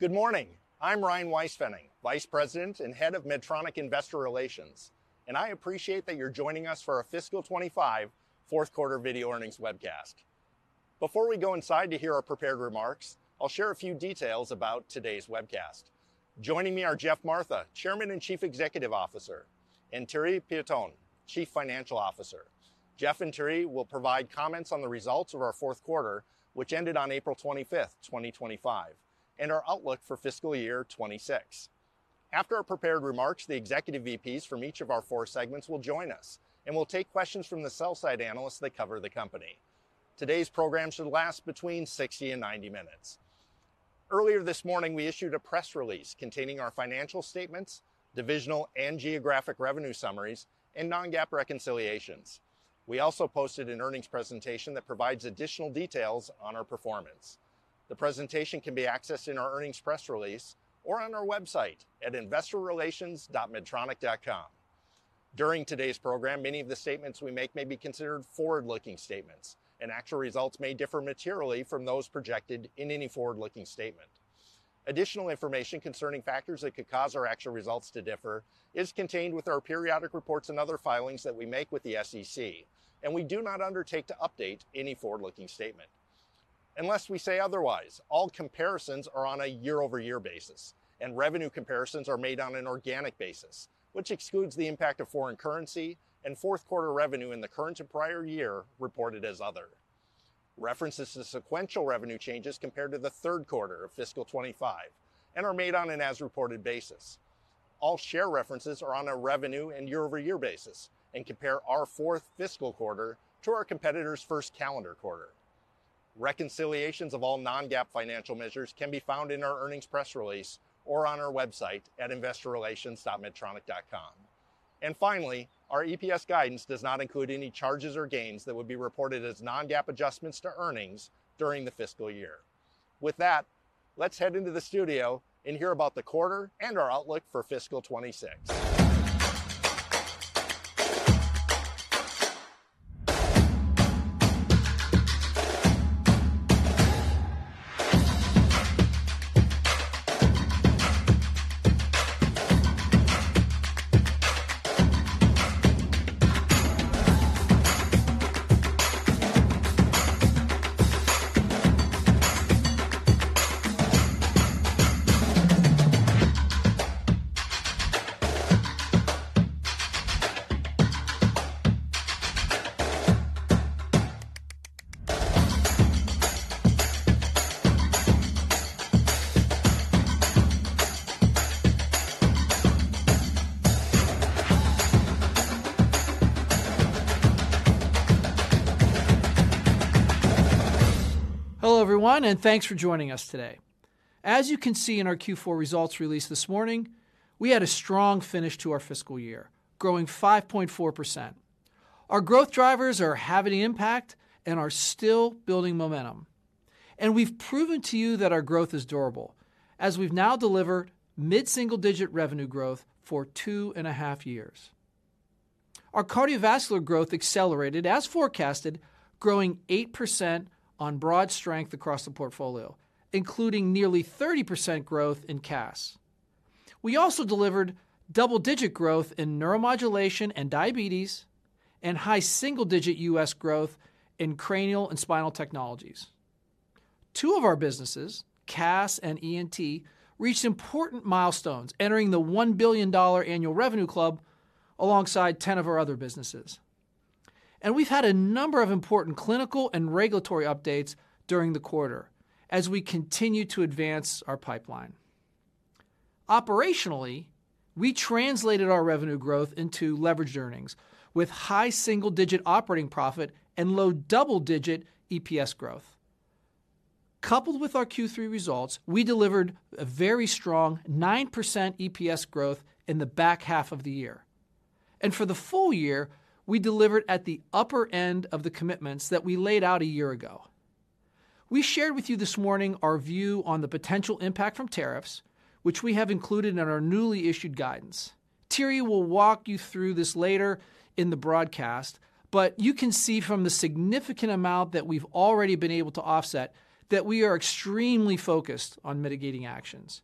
Good morning. I'm Ryan Weispfenning, Vice President and Head of Medtronic Investor Relations, and I appreciate that you're joining us for our Fiscal 25 Fourth Quarter Video Earnings webcast. Before we go inside to hear our prepared remarks, I'll share a few details about today's webcast. Joining me are Geoff Martha, Chairman and Chief Executive Officer, and Thierry Piéton, Chief Financial Officer. Jeff and Thierry will provide comments on the results of our fourth quarter, which ended on April 25th, 2025, and our outlook for fiscal year 26. After our prepared remarks, the executive VPs from each of our four segments will join us and will take questions from the sell-side analysts that cover the company. Today's program should last between 60 and 90 minutes. Earlier this morning, we issued a press release containing our financial statements, divisional and geographic revenue summaries, and non-GAAP reconciliations. We also posted an earnings presentation that provides additional details on our performance. The presentation can be accessed in our earnings press release or on our website at investorrelations.medtronic.com. During today's program, many of the statements we make may be considered forward-looking statements, and actual results may differ materially from those projected in any forward-looking statement. Additional information concerning factors that could cause our actual results to differ is contained with our periodic reports and other filings that we make with the SEC, and we do not undertake to update any forward-looking statement unless we say otherwise. All comparisons are on a year-over-year basis, and revenue comparisons are made on an organic basis, which excludes the impact of foreign currency and fourth quarter revenue in the current and prior year reported as other. References to sequential revenue changes compared to the third quarter of fiscal 2025 are made on an as-reported basis. All share references are on a revenue and year-over-year basis and compare our fourth fiscal quarter to our competitor's first calendar quarter. Reconciliations of all non-GAAP financial measures can be found in our earnings press release or on our website at investorrelations.medtronic.com. Finally, our EPS guidance does not include any charges or gains that would be reported as non-GAAP adjustments to earnings during the fiscal year. With that, let's head into the studio and hear about the quarter and our outlook for fiscal 2026. Hello everyone, and thanks for joining us today. As you can see in our Q4 results release this morning, we had a strong finish to our fiscal year, growing 5.4%. Our growth drivers are having an impact and are still building momentum. We've proven to you that our growth is durable, as we've now delivered mid-single-digit revenue growth for two and a half years. Our cardiovascular growth accelerated as forecasted, growing 8% on broad strength across the portfolio, including nearly 30% growth in CAS. We also delivered double-digit growth in neuromodulation and diabetes and high single-digit U.S. growth in cranial and spinal technologies. Two of our businesses, CAS and ENT, reached important milestones, entering the $1 billion annual revenue club alongside 10 of our other businesses. We've had a number of important clinical and regulatory updates during the quarter as we continue to advance our pipeline. Operationally, we translated our revenue growth into leveraged earnings with high single-digit operating profit and low double-digit EPS growth. Coupled with our Q3 results, we delivered a very strong 9% EPS growth in the back half of the year. For the full year, we delivered at the upper end of the commitments that we laid out a year ago. We shared with you this morning our view on the potential impact from tariffs, which we have included in our newly issued guidance. Thierry will walk you through this later in the broadcast, but you can see from the significant amount that we've already been able to offset that we are extremely focused on mitigating actions.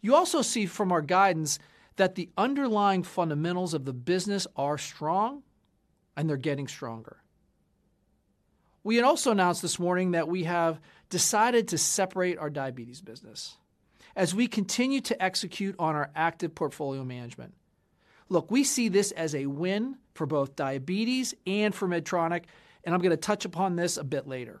You also see from our guidance that the underlying fundamentals of the business are strong, and they're getting stronger. We had also announced this morning that we have decided to separate our diabetes business as we continue to execute on our active portfolio management. Look, we see this as a win for both diabetes and for Medtronic, and I'm going to touch upon this a bit later.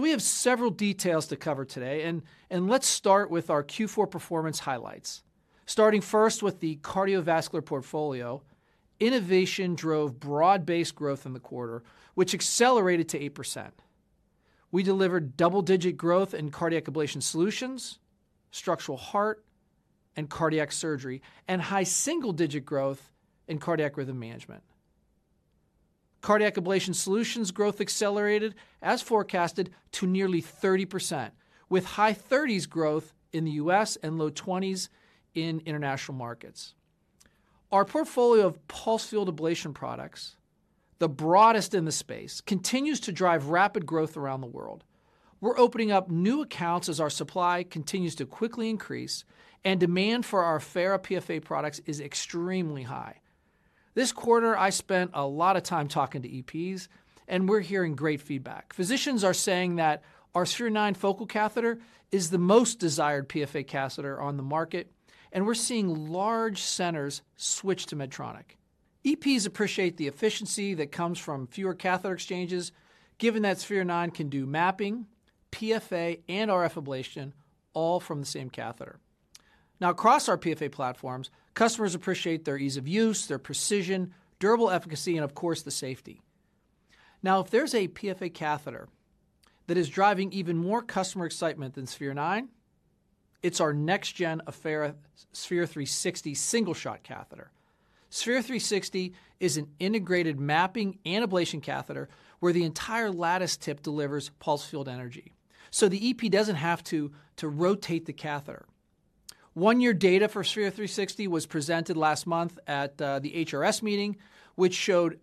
We have several details to cover today, and let's start with our Q4 performance highlights. Starting first with the cardiovascular portfolio, innovation drove broad-based growth in the quarter, which accelerated to 8%. We delivered double-digit growth in cardiac ablation solutions, structural heart, and cardiac surgery, and high single-digit growth in cardiac rhythm management. Cardiac ablation solutions growth accelerated, as forecasted, to nearly 30%, with high 30s growth in the U.S. and low 20s in international markets. Our portfolio of pulse field ablation products, the broadest in the space, continues to drive rapid growth around the world. We're opening up new accounts as our supply continues to quickly increase, and demand for our Affera PFA products is extremely high. This quarter, I spent a lot of time talking to EPs, and we're hearing great feedback. Physicians are saying that our Sphere-9 focal catheter is the most desired PFA catheter on the market, and we're seeing large centers switch to Medtronic. EPs appreciate the efficiency that comes from fewer catheter exchanges, given that Sphere-9 can do mapping, PFA, and RF ablation all from the same catheter. Now, across our PFA platforms, customers appreciate their ease of use, their precision, durable efficacy, and of course, the safety. Now, if there's a PFA catheter that is driving even more customer excitement than Sphere-9, it's our next-gen Affera Sphere-360 single-shot catheter. Sphere-360 is an integrated mapping and ablation catheter where the entire lattice tip delivers pulse field energy, so the EP doesn't have to rotate the catheter. One-year data for Sphere-360 was presented last month at the HRS meeting, which showed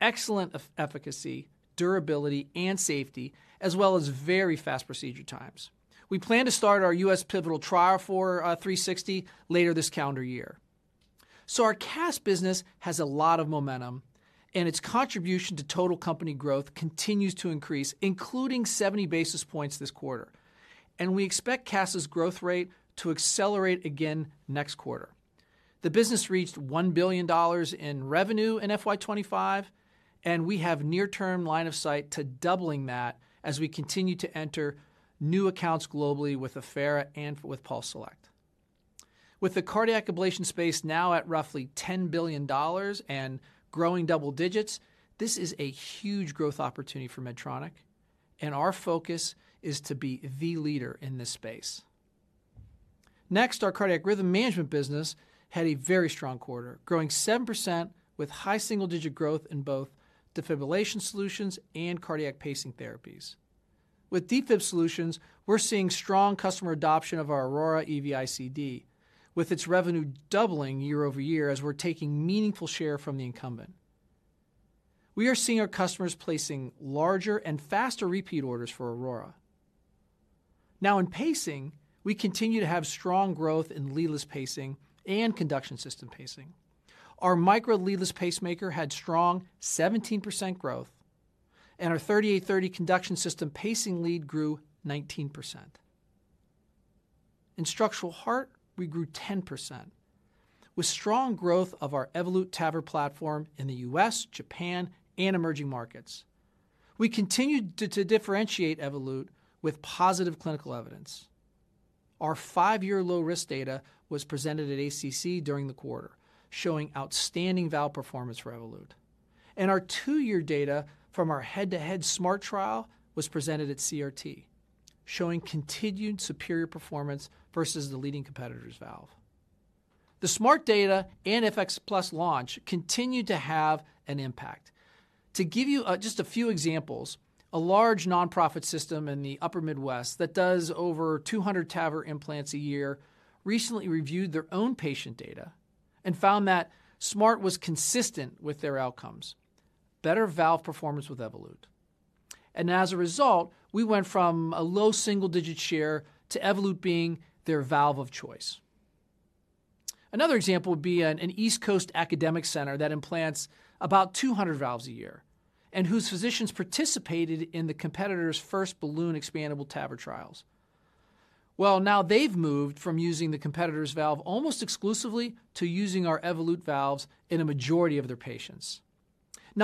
excellent efficacy, durability, and safety, as well as very fast procedure times. We plan to start our U.S. pivotal trial for 360 later this calendar year. Our CAS business has a lot of momentum, and its contribution to total company growth continues to increase, including 70 basis points this quarter. We expect CAS's growth rate to accelerate again next quarter. The business reached $1 billion in revenue in FY2025, and we have near-term line of sight to doubling that as we continue to enter new accounts globally with Affera and with PulseSelect. With the cardiac ablation space now at roughly $10 billion and growing double digits, this is a huge growth opportunity for Medtronic, and our focus is to be the leader in this space. Next, our cardiac rhythm management business had a very strong quarter, growing 7% with high single-digit growth in both defibrillation solutions and cardiac pacing therapies. With defib solutions, we're seeing strong customer adoption of our Aurora EV-ICD, with its revenue doubling year over year as we're taking meaningful share from the incumbent. We are seeing our customers placing larger and faster repeat orders for Aurora. Now, in pacing, we continue to have strong growth in leadless pacing and conduction system pacing. Our Micra leadless pacemaker had strong 17% growth, and our 3830 Conduction System Pacing Lead grew 19%. In structural heart, we grew 10% with strong growth of our Evolut TAVR platform in the U.S., Japan, and emerging markets. We continue to differentiate Evolut with positive clinical evidence. Our five-year low-risk data was presented at ACC during the quarter, showing outstanding valve performance for Evolut. Our two-year data from our head-to-head SMART trial was presented at CRT, showing continued superior performance versus the leading competitor's valve. The SMART data and FX Plus launch continue to have an impact. To give you just a few examples, a large nonprofit system in the Upper Midwest that does over 200 TAVR implants a year recently reviewed their own patient data and found that SMART was consistent with their outcomes: better valve performance with Evolut. As a result, we went from a low single-digit share to Evolut being their valve of choice. Another example would be an East Coast academic center that implants about 200 valves a year and whose physicians participated in the competitor's first balloon expandable TAVR trials. Now they've moved from using the competitor's valve almost exclusively to using our Evolut valves in a majority of their patients.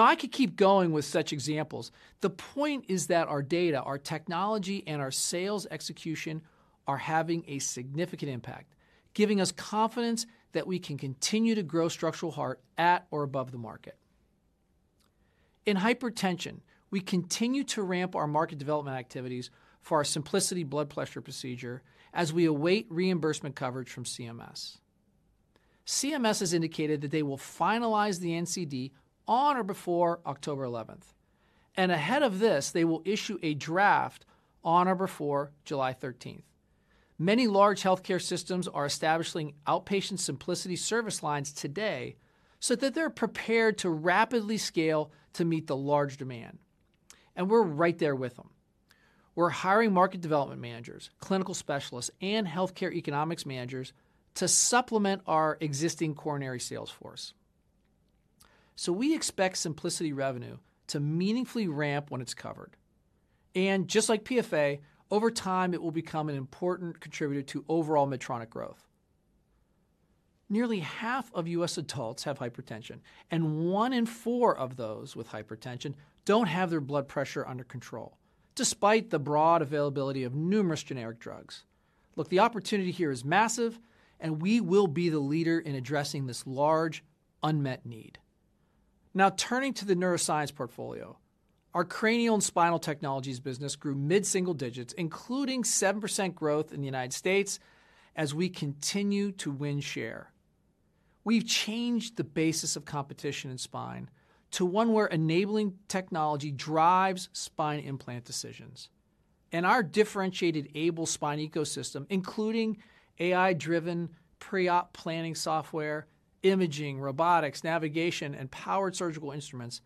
I could keep going with such examples. The point is that our data, our technology, and our sales execution are having a significant impact, giving us confidence that we can continue to grow structural heart at or above the market. In hypertension, we continue to ramp our market development activities for our Simplicity blood pressure procedure as we await reimbursement coverage from CMS. CMS has indicated that they will finalize the NCD on or before October 11, and ahead of this, they will issue a draft on or before July 13. Many large healthcare systems are establishing outpatient Simplicity service lines today so that they're prepared to rapidly scale to meet the large demand. We're right there with them. We're hiring market development managers, clinical specialists, and healthcare economics managers to supplement our existing coronary sales force. We expect Simplicity revenue to meaningfully ramp when it's covered. Just like PFA, over time, it will become an important contributor to overall Medtronic growth. Nearly half of U.S. adults have hypertension, and one in four of those with hypertension don't have their blood pressure under control, despite the broad availability of numerous generic drugs. Look, the opportunity here is massive, and we will be the leader in addressing this large unmet need. Now, turning to the neuroscience portfolio, our Cranial and Spinal Technologies business grew mid-single digits, including 7% growth in the United States as we continue to win share. We've changed the basis of competition in spine to one where enabling technology drives spine implant decisions. Our differentiated AiBLE spine ecosystem, including AI-driven pre-op planning software, imaging, robotics, navigation, and powered surgical instruments,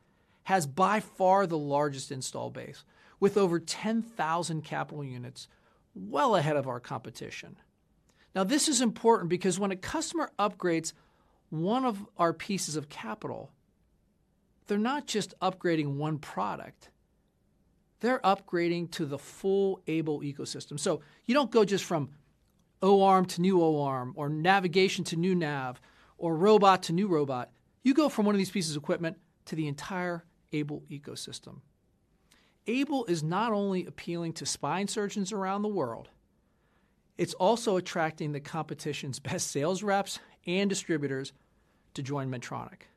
has by far the largest install base with over 10,000 capital units, well ahead of our competition. This is important because when a customer upgrades one of our pieces of capital, they're not just upgrading one product; they're upgrading to the full AiBLE ecosystem. You don't go just from OARM to new OARM, or navigation to new NAV, or robot to new robot. You go from one of these pieces of equipment to the entire AiBLE ecosystem. AiBLE is not only appealing to spine surgeons around the world; it's also attracting the competition's best sales reps and distributors to join Medtronic.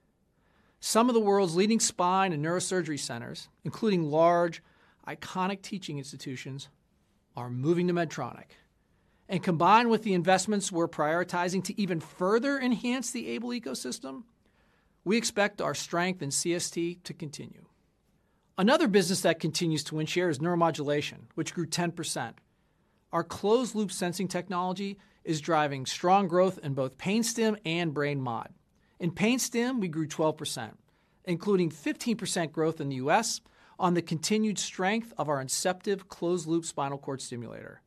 Some of the world's leading spine and neurosurgery centers, including large, iconic teaching institutions, are moving to Medtronic. Combined with the investments we're prioritizing to even further enhance the AiBLE spine surgery ecosystem, we expect our strength in CST to continue. Another business that continues to win share is neuromodulation, which grew 10%. Our closed-loop sensing technology is driving strong growth in both pain stim and brain mod. In pain stim, we grew 12%, including 15% growth in the U.S. on the continued strength of our Inceptiv closed-loop spinal cord stimulator.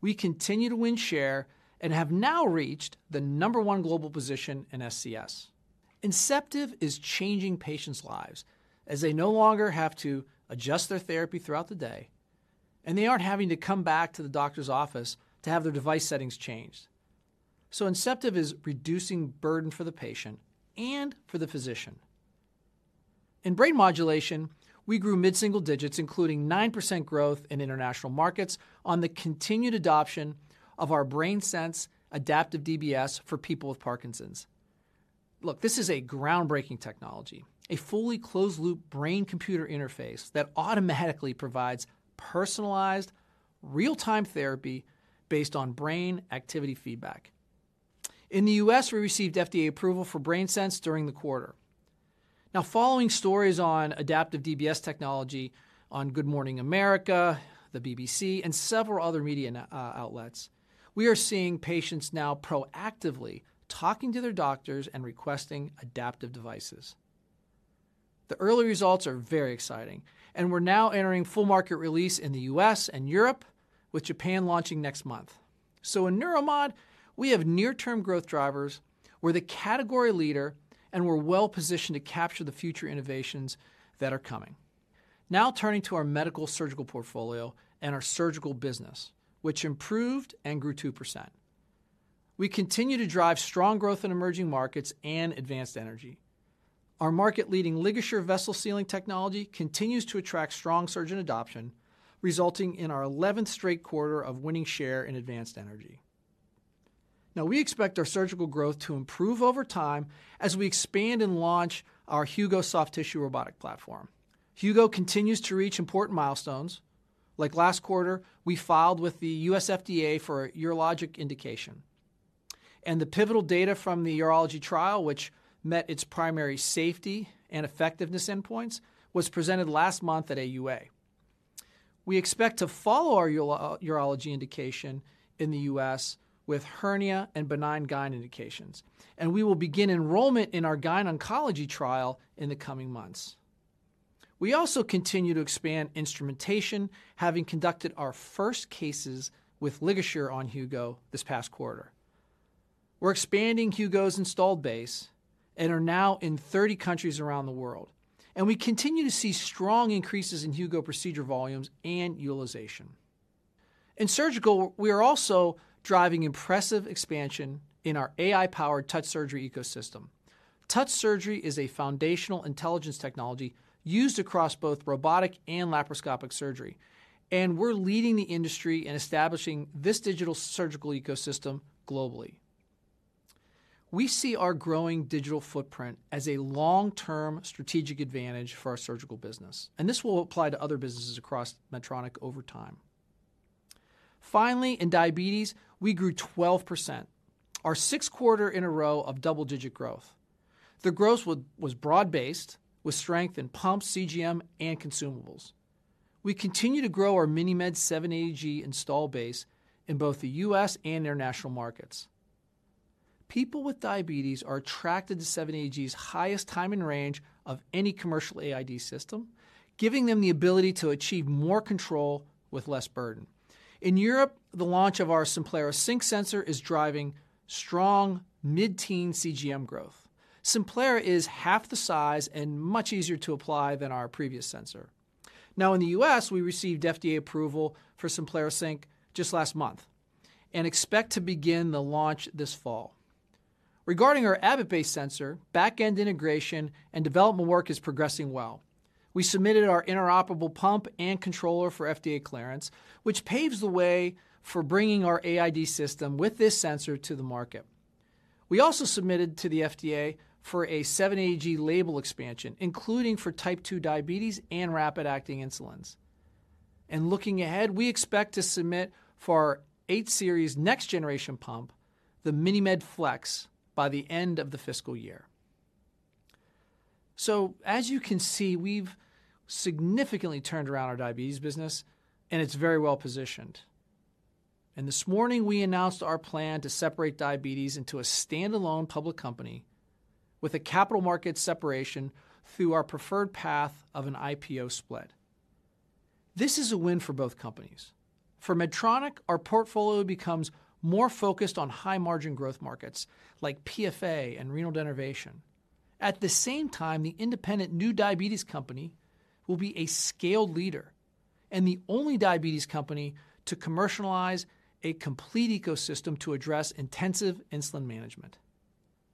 We continue to win share and have now reached the number one global position in SCS. Inceptiv is changing patients' lives as they no longer have to adjust their therapy throughout the day, and they aren't having to come back to the doctor's office to have their device settings changed. Inceptiv is reducing burden for the patient and for the physician. In brain modulation, we grew mid-single digits, including 9% growth in international markets on the continued adoption of our BrainSense Adaptive DBS for people with Parkinson's. Look, this is a groundbreaking technology, a fully closed-loop brain-computer interface that automatically provides personalized, real-time therapy based on brain activity feedback. In the U.S., we received FDA approval for BrainSense during the quarter. Now, following stories on adaptive DBS technology on Good Morning America, the BBC, and several other media outlets, we are seeing patients now proactively talking to their doctors and requesting adaptive devices. The early results are very exciting, and we're now entering full market release in the U.S. and Europe, with Japan launching next month. In neuromod, we have near-term growth drivers. We're the category leader, and we're well positioned to capture the future innovations that are coming. Now, turning to our Medical Surgical Portfolio and our Surgical business, which improved and grew 2%. We continue to drive strong growth in emerging markets and advanced energy. Our market-leading LigaSure Vessel Sealing technology continues to attract strong surgeon adoption, resulting in our 11th straight quarter of winning share in advanced energy. Now, we expect our surgical growth to improve over time as we expand and launch our Hugo soft tissue robotic platform. Hugo continues to reach important milestones. Like last quarter, we filed with the U.S. FDA for a urologic indication, and the pivotal data from the urology trial, which met its primary safety and effectiveness endpoints, was presented last month at AUA. We expect to follow our urology indication in the U.S. with hernia and benign gyne indications, and we will begin enrollment in our gyne oncology trial in the coming months. We also continue to expand instrumentation, having conducted our first cases with LigaSure on Hugo this past quarter. We're expanding Hugo's installed base and are now in 30 countries around the world, and we continue to see strong increases in Hugo procedure volumes and utilization. In surgical, we are also driving impressive expansion in our AI-powered Touch Surgery ecosystem. Touch Surgery is a foundational intelligence technology used across both robotic and laparoscopic surgery, and we're leading the industry in establishing this digital surgical ecosystem globally. We see our growing digital footprint as a long-term strategic advantage for our surgical business, and this will apply to other businesses across Medtronic over time. Finally, in diabetes, we grew 12%, our sixth quarter in a row of double-digit growth. The growth was broad-based, with strength in pumps, CGM, and consumables. We continue to grow our MiniMed 780G install base in both the U.S. and international markets. People with diabetes are attracted to 780G's highest time in range of any commercial AID system, giving them the ability to achieve more control with less burden. In Europe, the launch of our Simplera Sync sensor is driving strong mid-teen CGM growth. Simplera is half the size and much easier to apply than our previous sensor. Now, in the U.S., we received FDA approval for Simplera Sync just last month and expect to begin the launch this fall. Regarding our Abbott-based sensor, back-end integration and development work is progressing well. We submitted our interoperable pump and controller for FDA clearance, which paves the way for bringing our AID system with this sensor to the market. We also submitted to the FDA for a 780G label expansion, including for type 2 diabetes and rapid-acting insulins. Looking ahead, we expect to submit for our eighth series next-generation pump, the MiniMed Flex, by the end of the fiscal year. As you can see, we've significantly turned around our diabetes business, and it's very well positioned. This morning, we announced our plan to separate diabetes into a standalone public company with a capital market separation through our preferred path of an IPO split. This is a win for both companies. For Medtronic, our portfolio becomes more focused on high-margin growth markets like PFA and renal denervation. At the same time, the independent new diabetes company will be a scaled leader and the only diabetes company to commercialize a complete ecosystem to address intensive insulin management.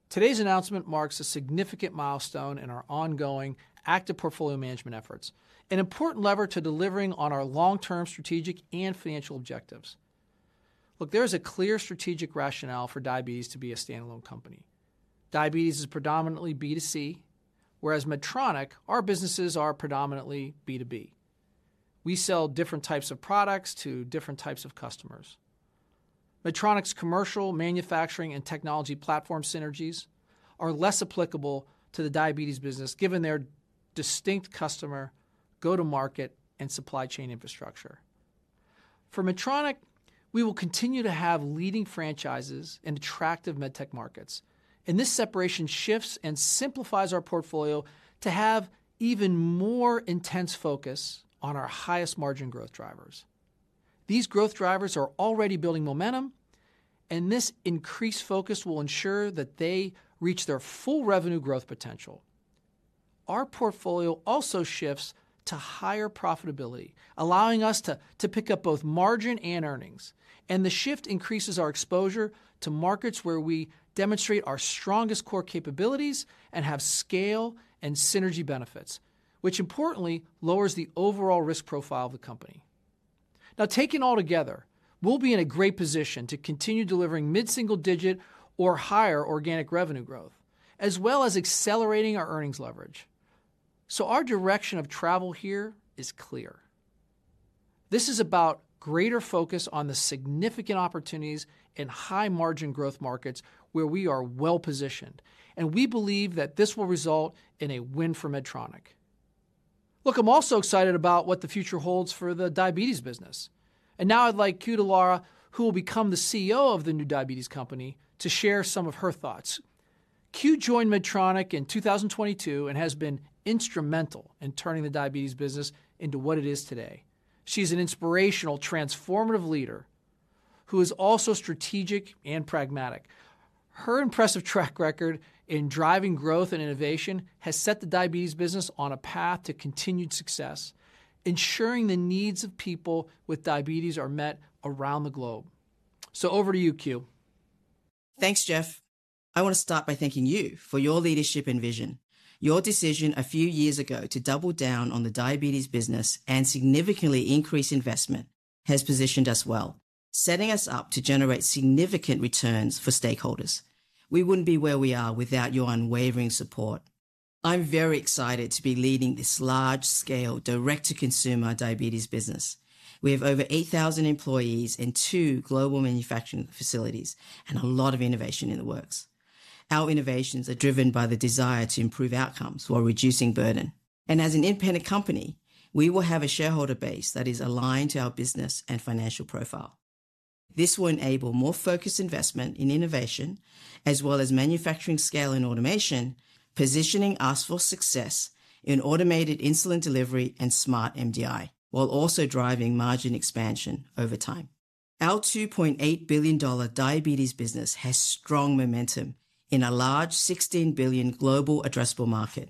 Today's announcement marks a significant milestone in our ongoing active portfolio management efforts, an important lever to delivering on our long-term strategic and financial objectives. Look, there is a clear strategic rationale for diabetes to be a standalone company. Diabetes is predominantly B2C, whereas Medtronic, our businesses are predominantly B2B. We sell different types of products to different types of customers. Medtronic's commercial manufacturing and technology platform synergies are less applicable to the diabetes business, given their distinct customer go-to-market and supply chain infrastructure. For Medtronic, we will continue to have leading franchises in attractive medtech markets, and this separation shifts and simplifies our portfolio to have even more intense focus on our highest margin growth drivers. These growth drivers are already building momentum, and this increased focus will ensure that they reach their full revenue growth potential. Our portfolio also shifts to higher profitability, allowing us to pick up both margin and earnings, and the shift increases our exposure to markets where we demonstrate our strongest core capabilities and have scale and synergy benefits, which importantly lowers the overall risk profile of the company. Now, taken all together, we'll be in a great position to continue delivering mid-single digit or higher organic revenue growth, as well as accelerating our earnings leverage. Our direction of travel here is clear. This is about greater focus on the significant opportunities in high-margin growth markets where we are well positioned, and we believe that this will result in a win for Medtronic. Look, I'm also excited about what the future holds for the diabetes business. Now I'd like Que Dallara, who will become the CEO of the new diabetes company, to share some of her thoughts. Que joined Medtronic in 2022 and has been instrumental in turning the diabetes business into what it is today. She's an inspirational, transformative leader who is also strategic and pragmatic. Her impressive track record in driving growth and innovation has set the diabetes business on a path to continued success, ensuring the needs of people with diabetes are met around the globe. Over to you, Que. Thanks, Jeff. I want to start by thanking you for your leadership and vision. Your decision a few years ago to double down on the diabetes business and significantly increase investment has positioned us well, setting us up to generate significant returns for stakeholders. We wouldn't be where we are without your unwavering support. I'm very excited to be leading this large-scale direct-to-consumer diabetes business. We have over 8,000 employees and two global manufacturing facilities and a lot of innovation in the works. Our innovations are driven by the desire to improve outcomes while reducing burden. As an independent company, we will have a shareholder base that is aligned to our business and financial profile. This will enable more focused investment in innovation, as well as manufacturing scale and automation, positioning us for success in automated insulin delivery and smart MDI, while also driving margin expansion over time. Our $2.8 billion diabetes business has strong momentum in a large $16 billion global addressable market.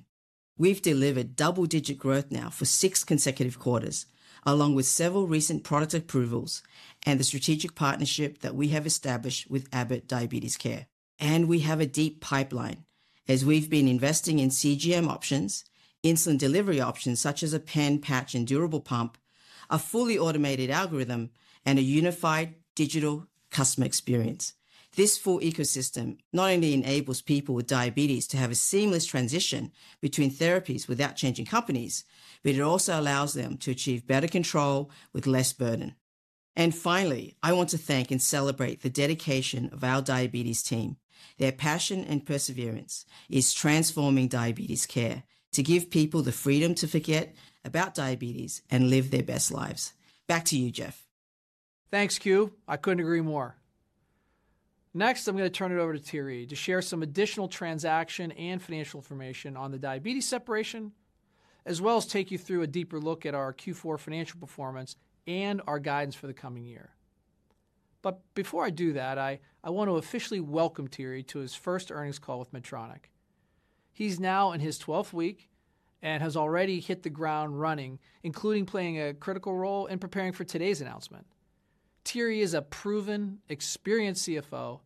We've delivered double-digit growth now for six consecutive quarters, along with several recent product approvals and the strategic partnership that we have established with Abbott Diabetes Care. We have a deep pipeline as we've been investing in CGM options, insulin delivery options such as a pen patch and durable pump, a fully automated algorithm, and a unified digital customer experience. This full ecosystem not only enables people with diabetes to have a seamless transition between therapies without changing companies, but it also allows them to achieve better control with less burden. Finally, I want to thank and celebrate the dedication of our diabetes team. Their passion and perseverance is transforming diabetes care to give people the freedom to forget about diabetes and live their best lives. Back to you, Jeff. Thanks, Que. I couldn't agree more. Next, I'm going to turn it over to Thierry to share some additional transaction and financial information on the diabetes separation, as well as take you through a deeper look at our Q4 financial performance and our guidance for the coming year. Before I do that, I want to officially welcome Thierry to his first earnings call with Medtronic. He's now in his 12th week and has already hit the ground running, including playing a critical role in preparing for today's announcement. Thierry is a proven, experienced CFO,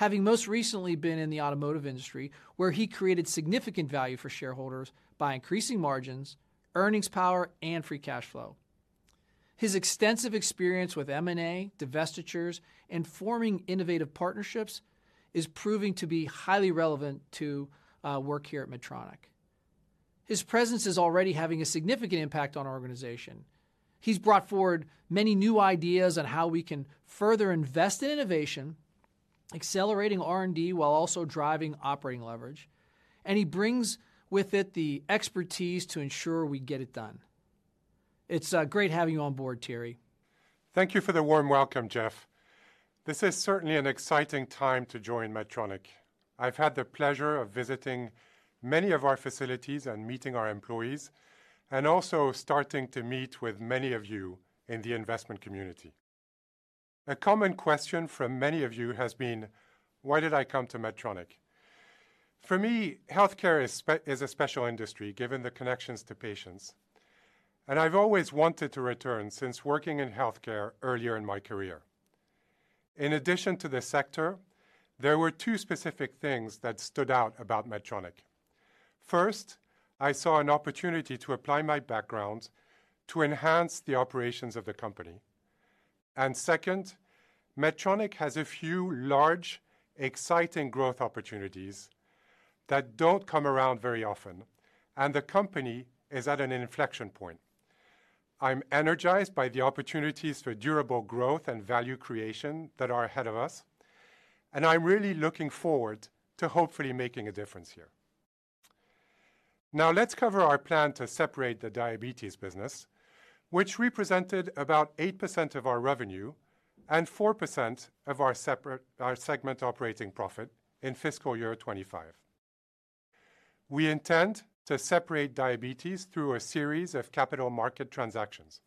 having most recently been in the automotive industry, where he created significant value for shareholders by increasing margins, earnings power, and free cash flow. His extensive experience with M&A, divestitures, and forming innovative partnerships is proving to be highly relevant to work here at Medtronic. His presence is already having a significant impact on our organization. He's brought forward many new ideas on how we can further invest in innovation, accelerating R&D while also driving operating leverage, and he brings with it the expertise to ensure we get it done. It's great having you on board, Thierry. Thank you for the warm welcome, Jeff. This is certainly an exciting time to join Medtronic. I've had the pleasure of visiting many of our facilities and meeting our employees, and also starting to meet with many of you in the investment community. A common question from many of you has been, "Why did I come to Medtronic?" For me, healthcare is a special industry given the connections to patients, and I've always wanted to return since working in healthcare earlier in my career. In addition to the sector, there were two specific things that stood out about Medtronic. First, I saw an opportunity to apply my background to enhance the operations of the company. Second, Medtronic has a few large, exciting growth opportunities that do not come around very often, and the company is at an inflection point. I'm energized by the opportunities for durable growth and value creation that are ahead of us, and I'm really looking forward to hopefully making a difference here. Now, let's cover our plan to separate the diabetes business, which represented about 8% of our revenue and 4% of our segment operating profit in fiscal year 2025. We intend to separate diabetes through a series of capital market transactions.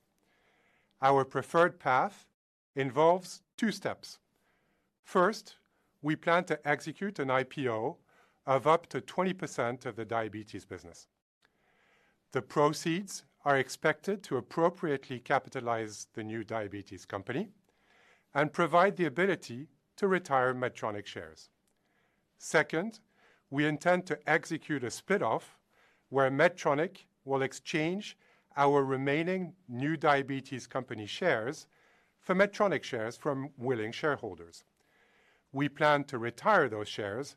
Our preferred path involves two steps. First, we plan to execute an IPO of up to 20% of the diabetes business. The proceeds are expected to appropriately capitalize the new diabetes company and provide the ability to retire Medtronic shares. Second, we intend to execute a spinoff where Medtronic will exchange our remaining new diabetes company shares for Medtronic shares from willing shareholders. We plan to retire those shares,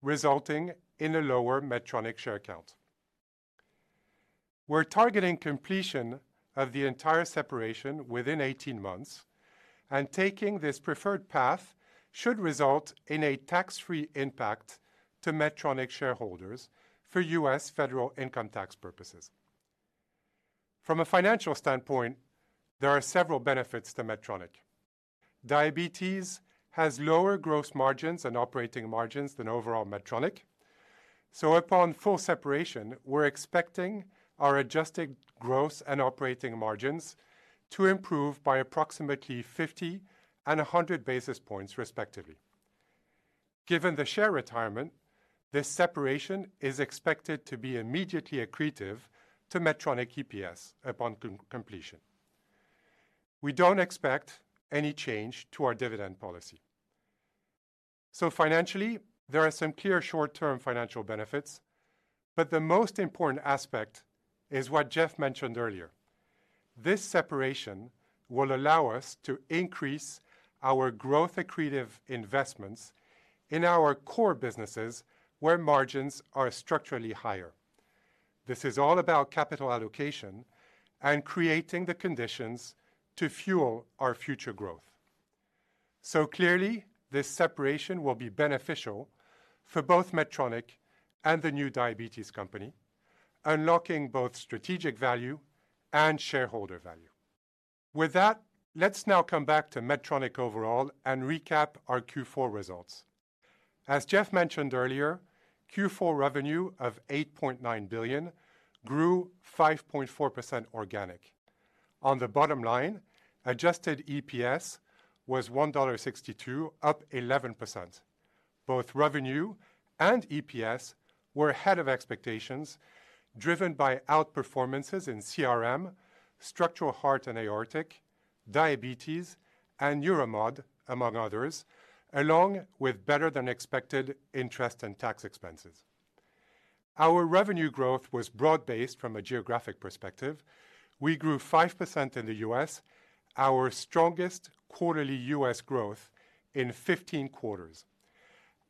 resulting in a lower Medtronic share count. We're targeting completion of the entire separation within 18 months, and taking this preferred path should result in a tax-free impact to Medtronic shareholders for U.S. federal income tax purposes. From a financial standpoint, there are several benefits to Medtronic. Diabetes has lower gross margins and operating margins than overall Medtronic, so upon full separation, we're expecting our adjusted gross and operating margins to improve by approximately 50 and 100 basis points, respectively. Given the share retirement, this separation is expected to be immediately accretive to Medtronic EPS upon completion. We don't expect any change to our dividend policy. Financially, there are some clear short-term financial benefits, but the most important aspect is what Jeff mentioned earlier. This separation will allow us to increase our growth-accretive investments in our core businesses where margins are structurally higher. This is all about capital allocation and creating the conditions to fuel our future growth. Clearly, this separation will be beneficial for both Medtronic and the new diabetes company, unlocking both strategic value and shareholder value. With that, let's now come back to Medtronic overall and recap our Q4 results. As Jeff mentioned earlier, Q4 revenue of $8.9 billion grew 5.4% organic. On the bottom line, adjusted EPS was $1.62, up 11%. Both revenue and EPS were ahead of expectations, driven by outperformances in CRM, structural heart and aortic, diabetes, and neuromod, among others, along with better-than-expected interest and tax expenses. Our revenue growth was broad-based from a geographic perspective. We grew 5% in the U.S., our strongest quarterly U.S. growth in 15 quarters,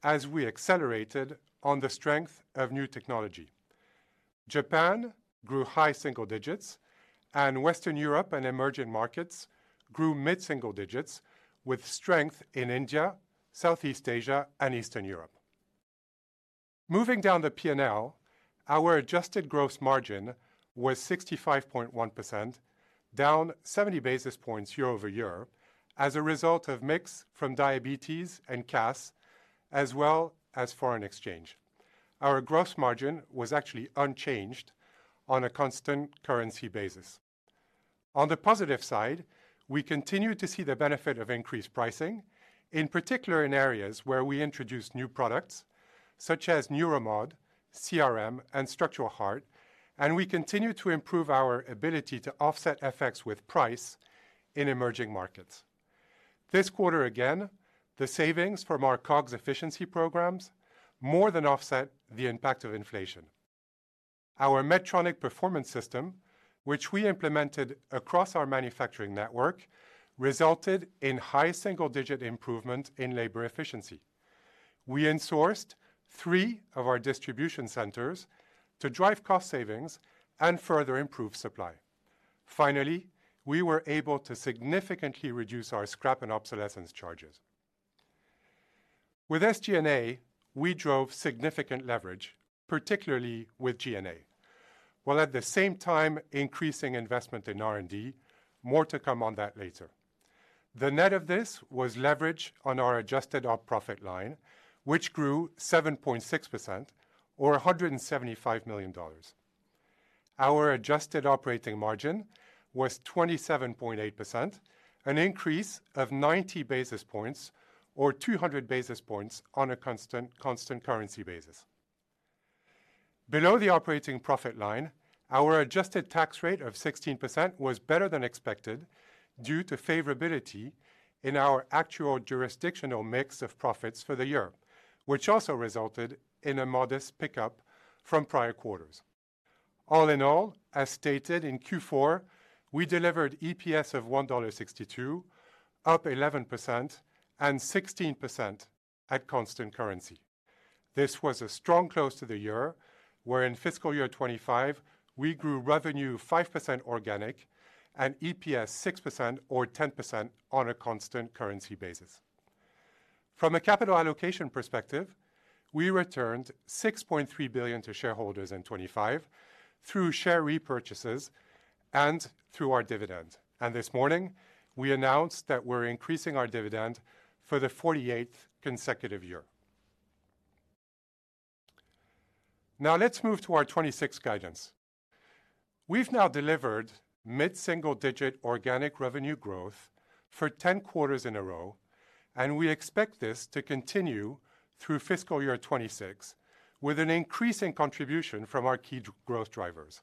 as we accelerated on the strength of new technology. Japan grew high single digits, and Western Europe and emerging markets grew mid-single digits, with strength in India, Southeast Asia, and Eastern Europe. Moving down the P&L, our adjusted gross margin was 65.1%, down 70 basis points year over year as a result of mix from diabetes and CAS, as well as foreign exchange. Our gross margin was actually unchanged on a constant currency basis. On the positive side, we continue to see the benefit of increased pricing, in particular in areas where we introduced new products such as neuromod, CRM, and structural heart, and we continue to improve our ability to offset effects with price in emerging markets. This quarter, again, the savings from our COGS efficiency programs more than offset the impact of inflation. Our Medtronic performance system, which we implemented across our manufacturing network, resulted in high single-digit improvement in labor efficiency. We insourced three of our distribution centers to drive cost savings and further improve supply. Finally, we were able to significantly reduce our scrap and obsolescence charges. With SG&A, we drove significant leverage, particularly with G&A, while at the same time increasing investment in R&D. More to come on that later. The net of this was leverage on our adjusted operating profit line, which grew 7.6%, or $175 million. Our adjusted operating margin was 27.8%, an increase of 90 basis points, or 200 basis points on a constant currency basis. Below the operating profit line, our adjusted tax rate of 16% was better than expected due to favorability in our actual jurisdictional mix of profits for the year, which also resulted in a modest pickup from prior quarters. All in all, as stated in Q4, we delivered EPS of $1.62, up 11%, and 16% at constant currency. This was a strong close to the year, where in fiscal year 2025, we grew revenue 5% organic and EPS 6%, or 10% on a constant currency basis. From a capital allocation perspective, we returned $6.3 billion to shareholders in 2025 through share repurchases and through our dividend. This morning, we announced that we're increasing our dividend for the 48th consecutive year. Now, let's move to our 2026 guidance. We've now delivered mid-single digit organic revenue growth for 10 quarters in a row, and we expect this to continue through fiscal year 2026 with an increasing contribution from our key growth drivers.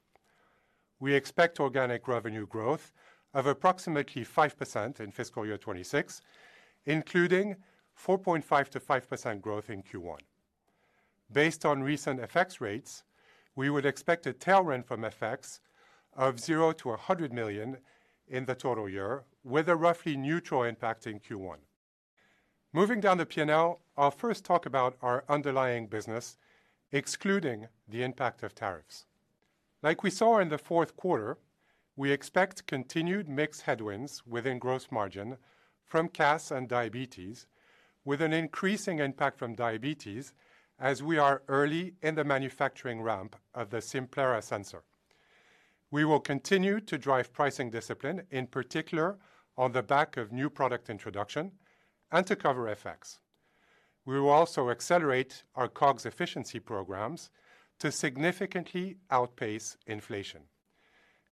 We expect organic revenue growth of approximately 5% in fiscal year 2026, including 4.5%-5% growth in Q1. Based on recent FX rates, we would expect a tailwind from FX of $0-$100 million in the total year, with a roughly neutral impact in Q1. Moving down the P&L, I'll first talk about our underlying business, excluding the impact of tariffs. Like we saw in the fourth quarter, we expect continued mixed headwinds within gross margin from CAS and diabetes, with an increasing impact from diabetes as we are early in the manufacturing ramp of the Simplera sensor. We will continue to drive pricing discipline, in particular on the back of new product introduction and to cover FX. We will also accelerate our COGS efficiency programs to significantly outpace inflation.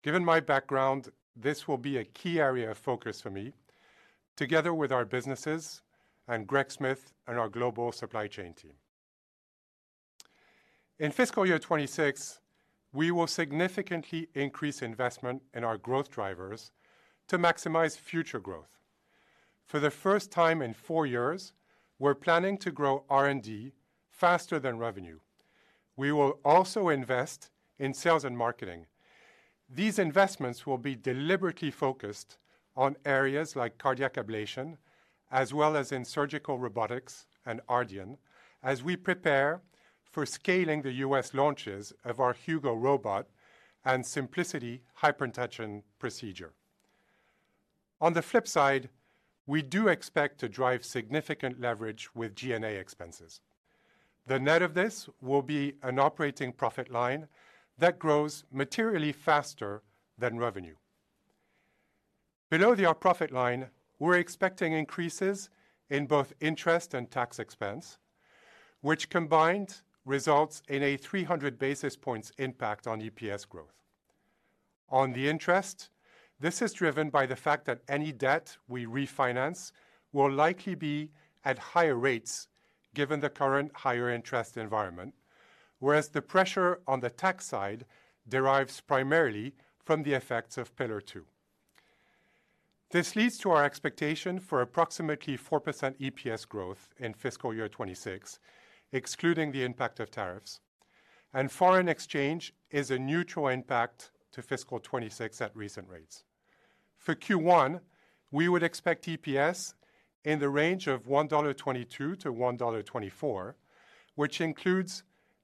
Given my background, this will be a key area of focus for me, together with our businesses and Greg Smith and our global supply chain team. In fiscal year 2026, we will significantly increase investment in our growth drivers to maximize future growth. For the first time in four years, we're planning to grow R&D faster than revenue. We will also invest in sales and marketing. These investments will be deliberately focused on areas like cardiac ablation, as well as in surgical robotics and RDN, as we prepare for scaling the U.S. launches of our Hugo robot and Simplicity hypertension procedure. On the flip side, we do expect to drive significant leverage with G&A expenses. The net of this will be an operating profit line that grows materially faster than revenue. Below the profit line, we're expecting increases in both interest and tax expense, which combined results in a 300 basis points impact on EPS growth. On the interest, this is driven by the fact that any debt we refinance will likely be at higher rates given the current higher interest environment, whereas the pressure on the tax side derives primarily from the effects of Pillar II. This leads to our expectation for approximately 4% EPS growth in fiscal year 2026, excluding the impact of tariffs, and foreign exchange is a neutral impact to fiscal 2026 at recent rates. For Q1, we would expect EPS in the range of $1.22-$1.24, which includes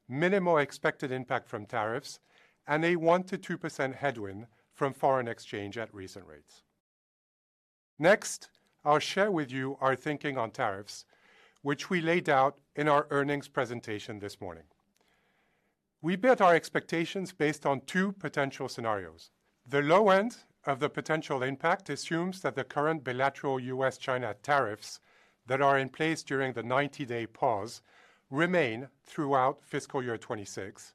minimal expected impact from tariffs and a 1%-2% headwind from foreign exchange at recent rates. Next, I'll share with you our thinking on tariffs, which we laid out in our earnings presentation this morning. We built our expectations based on two potential scenarios. The low end of the potential impact assumes that the current bilateral U.S.-China tariffs that are in place during the 90-day pause remain throughout fiscal year 2026,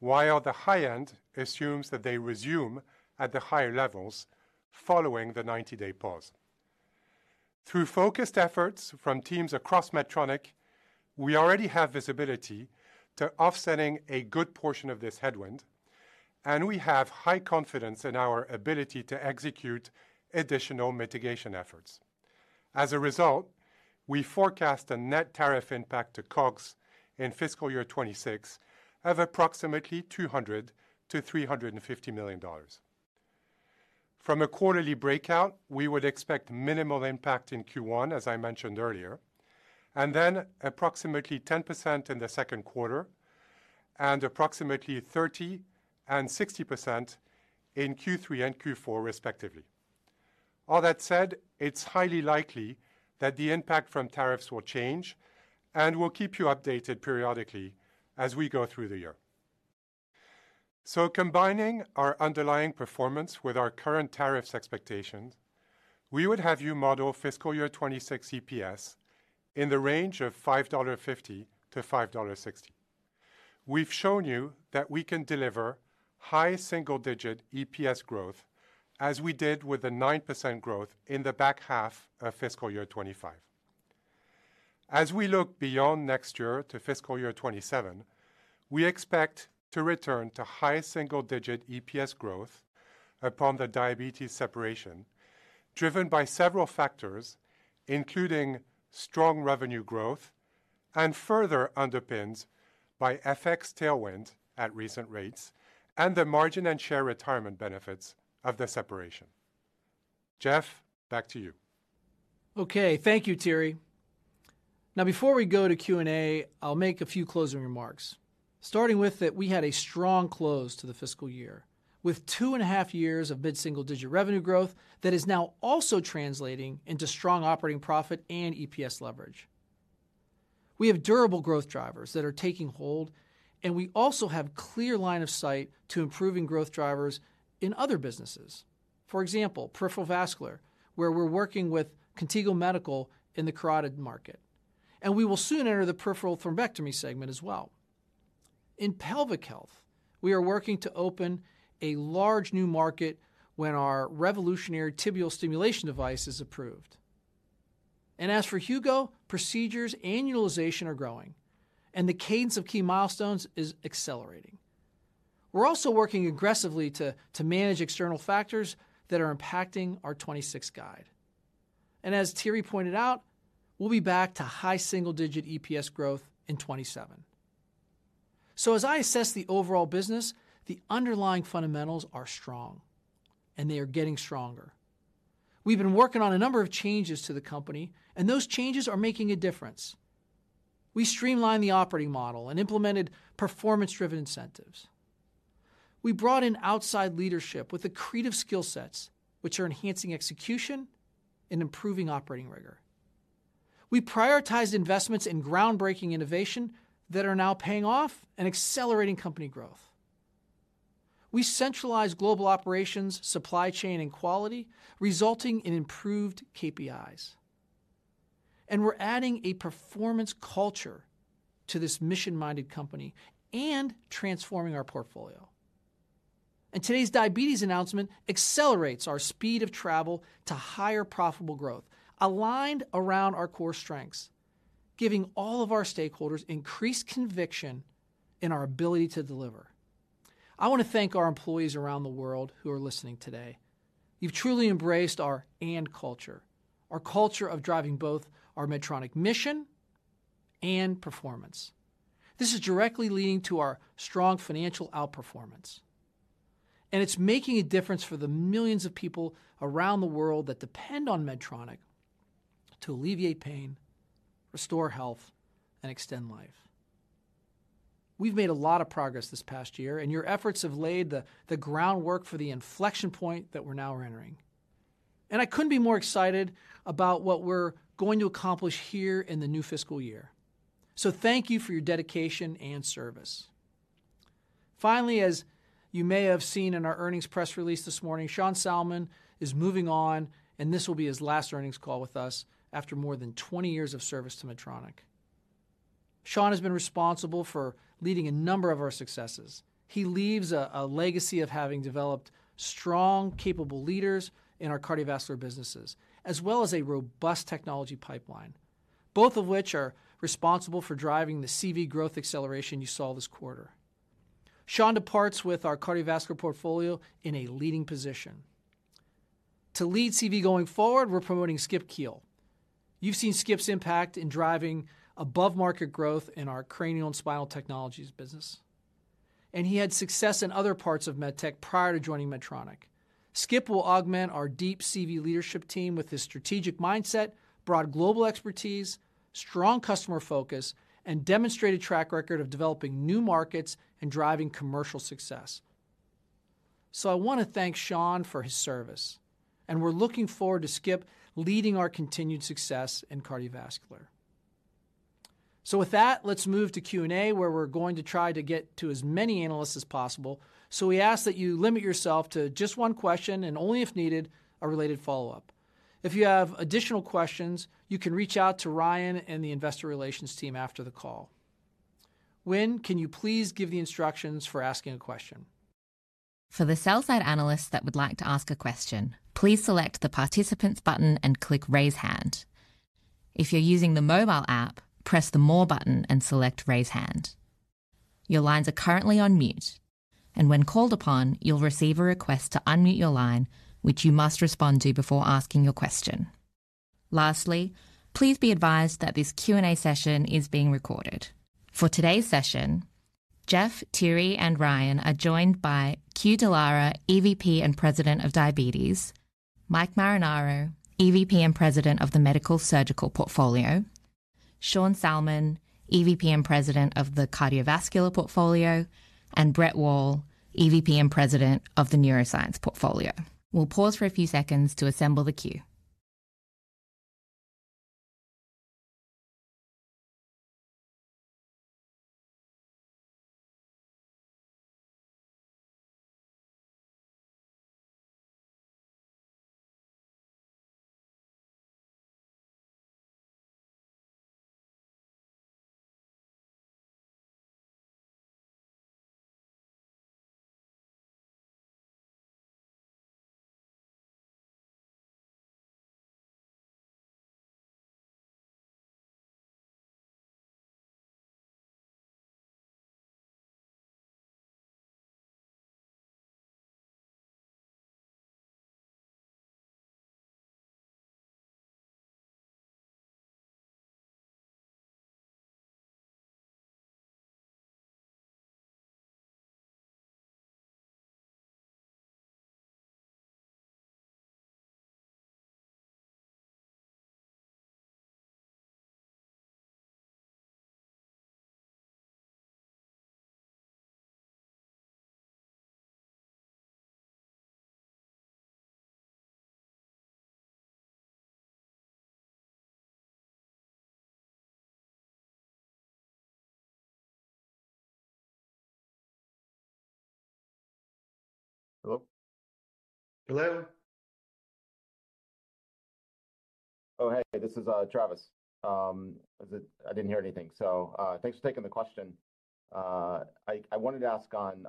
while the high end assumes that they resume at the higher levels following the 90-day pause. Through focused efforts from teams across Medtronic, we already have visibility to offsetting a good portion of this headwind, and we have high confidence in our ability to execute additional mitigation efforts. As a result, we forecast a net tariff impact to COGS in fiscal year 2026 of approximately $200 million to $350 million. From a quarterly breakout, we would expect minimal impact in Q1, as I mentioned earlier, and then approximately 10% in the second quarter and approximately 30% and 60% in Q3 and Q4, respectively. All that said, it's highly likely that the impact from tariffs will change and we'll keep you updated periodically as we go through the year. Combining our underlying performance with our current tariffs expectations, we would have you model fiscal year 2026 EPS in the range of $5.50-$5.60. We've shown you that we can deliver high single-digit EPS growth, as we did with the 9% growth in the back half of fiscal year 2025. As we look beyond next year to fiscal year 2027, we expect to return to high single-digit EPS growth upon the diabetes separation, driven by several factors, including strong revenue growth and further underpinned by FX tailwind at recent rates and the margin and share retirement benefits of the separation. Jeff, back to you. Okay, thank you, Thierry. Now, before we go to Q&A, I'll make a few closing remarks, starting with that we had a strong close to the fiscal year with two and a half years of mid-single-digit revenue growth that is now also translating into strong operating profit and EPS leverage. We have durable growth drivers that are taking hold, and we also have a clear line of sight to improving growth drivers in other businesses. For example, peripheral vascular, where we're working with Contigo Medical in the carotid market, and we will soon enter the peripheral thrombectomy segment as well. In pelvic health, we are working to open a large new market when our revolutionary tibial stimulation device is approved. As for Hugo, procedures annualization are growing, and the cadence of key milestones is accelerating. We're also working aggressively to manage external factors that are impacting our 2026 guide. As Thierry pointed out, we'll be back to high single-digit EPS growth in 2027. As I assess the overall business, the underlying fundamentals are strong, and they are getting stronger. We've been working on a number of changes to the company, and those changes are making a difference. We streamlined the operating model and implemented performance-driven incentives. We brought in outside leadership with creative skill sets, which are enhancing execution and improving operating rigor. We prioritized investments in groundbreaking innovation that are now paying off and accelerating company growth. We centralized global operations, supply chain, and quality, resulting in improved KPIs. We are adding a performance culture to this mission-minded company and transforming our portfolio. Today's diabetes announcement accelerates our speed of travel to higher profitable growth, aligned around our core strengths, giving all of our stakeholders increased conviction in our ability to deliver. I want to thank our employees around the world who are listening today. You've truly embraced our culture, our culture of driving both our Medtronic mission and performance. This is directly leading to our strong financial outperformance, and it's making a difference for the millions of people around the world that depend on Medtronic to alleviate pain, restore health, and extend life. We've made a lot of progress this past year, and your efforts have laid the groundwork for the inflection point that we're now entering. I couldn't be more excited about what we're going to accomplish here in the new fiscal year. Thank you for your dedication and service. Finally, as you may have seen in our earnings press release this morning, Sean Salmon is moving on, and this will be his last earnings call with us after more than 20 years of service to Medtronic. Sean has been responsible for leading a number of our successes. He leaves a legacy of having developed strong, capable leaders in our cardiovascular businesses, as well as a robust technology pipeline, both of which are responsible for driving the CV growth acceleration you saw this quarter. Sean departs with our cardiovascular portfolio in a leading position. To lead CV going forward, we're promoting Skip Keel. You've seen Skip's impact in driving above-market growth in our cranial and spinal technologies business. He had success in other parts of MedTech prior to joining Medtronic. Skip will augment our deep CV leadership team with his strategic mindset, broad global expertise, strong customer focus, and demonstrated track record of developing new markets and driving commercial success. I want to thank Sean for his service, and we're looking forward to Skip leading our continued success in cardiovascular. So with that, let's move to Q&A, where we're going to try to get to as many analysts as possible. We ask that you limit yourself to just one question and only, if needed, a related follow-up. If you have additional questions, you can reach out to Ryan and the investor relations team after the call. Wynne, can you please give the instructions for asking a question? For the sales side analysts that would like to ask a question, please select the participants button and click Raise Hand. If you're using the mobile app, press the More button and select Raise Hand. Your lines are currently on mute, and when called upon, you'll receive a request to unmute your line, which you must respond to before asking your question. Lastly, please be advised that this Q&A session is being recorded. For today's session, Jeff, Thierry, and Ryan are joined by Q Dallara, EVP and President of Diabetes; Mike Marinaro, EVP and President of the Medical Surgical Portfolio; Sean Salmon, EVP and President of the Cardiovascular Portfolio; and Brett Wall, EVP and President of the Neuroscience Portfolio. We'll pause for a few seconds to assemble the queue. Hello? Hello? Oh, hey, this is Travis. I didn't hear anything. Thanks for taking the question. I wanted to ask on,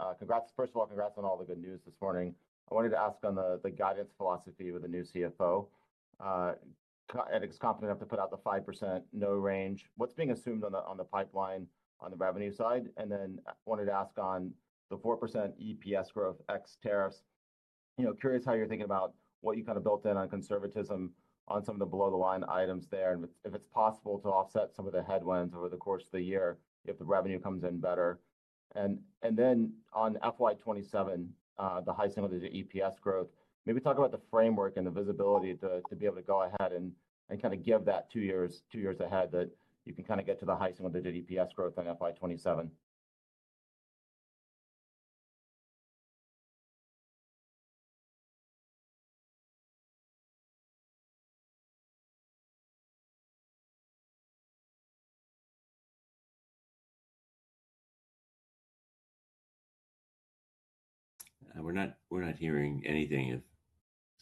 first of all, congrats on all the good news this morning. I wanted to ask on the guidance philosophy with the new CFO. Thierry's confident enough to put out the 5% no range. What's being assumed on the pipeline on the revenue side? I wanted to ask on the 4% EPS growth ex tariffs. Curious how you're thinking about what you kind of built in on conservatism on some of the below-the-line items there, and if it's possible to offset some of the headwinds over the course of the year if the revenue comes in better. And then on FY2027, the high single-digit EPS growth, maybe talk about the framework and the visibility to be able to go ahead and kind of give that two years ahead that you can kind of get to the high single-digit EPS growth on FY2027. We're not hearing anything if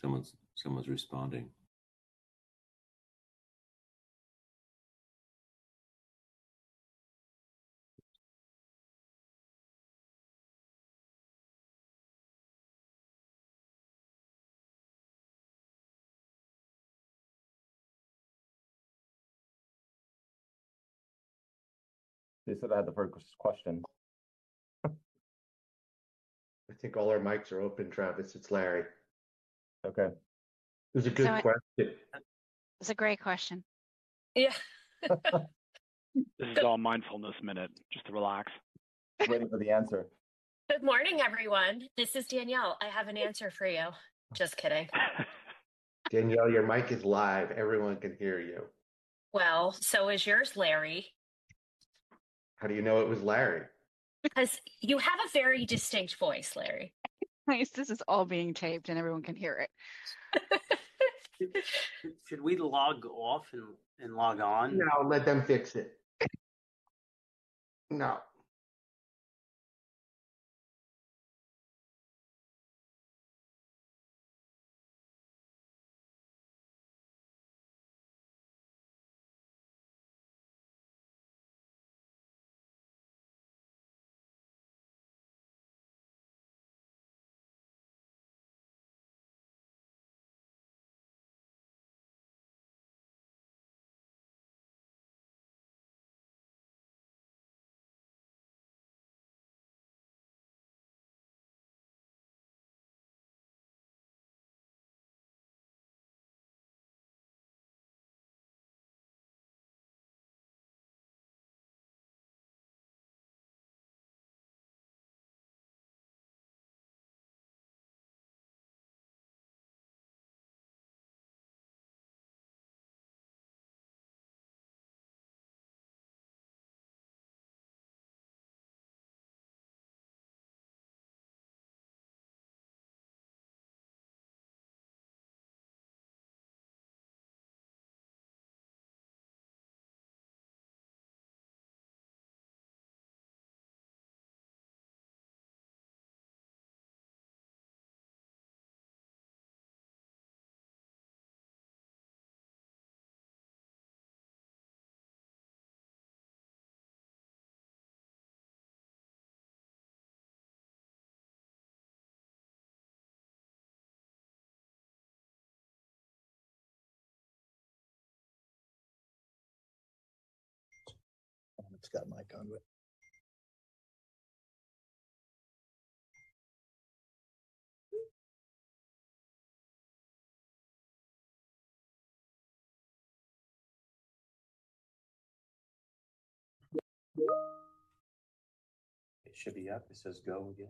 someone's responding. They said I had the first question. I think all our mics are open, Travis. It's Larry. Okay. It was a good question. It's a great question. Yeah. This is all mindfulness minute, just to relax. Waiting for the answer. Good morning, everyone. This is Danielle. I have an answer for you. Just kidding. Danielle, your mic is live. Everyone can hear you. So is yours, Larry. How do you know it was Larry? Because you have a very distinct voice, Larry. This is all being taped and everyone can hear it. Should we log off and log on? No. Let them fix it. No. It should be up. It says go again.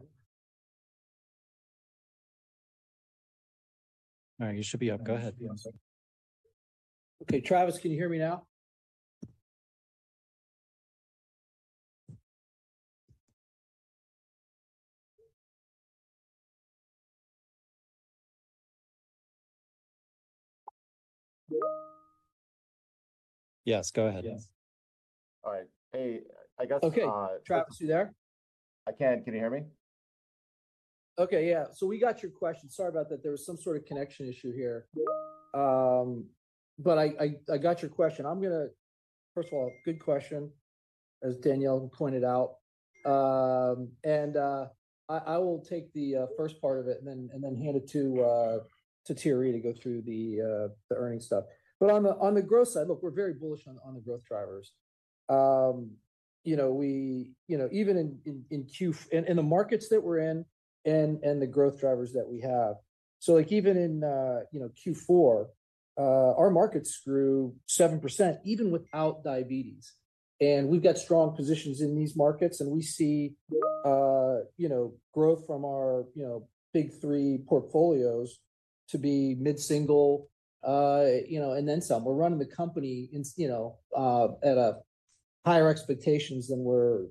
All right. You should be up. Go ahead. Okay, Travis, can you hear me now? Yes, go ahead. All right. Hey, I got some—Okay. Travis, are you there? I can. Can you hear me? Okay. Yeah. So we got your question. Sorry about that. There was some sort of connection issue here, but I got your question. I am going to—first of all, good question, as Danielle pointed out. I will take the first part of it and then hand it to Terry to go through the earnings stuff. On the growth side, look, we're very bullish on the growth drivers. Even in Q4, in the markets that we're in and the growth drivers that we have. Even in Q4, our markets grew 7% even without diabetes. We've got strong positions in these markets, and we see growth from our big three portfolios to be mid-single and then some. We're running the company at higher expectations than we're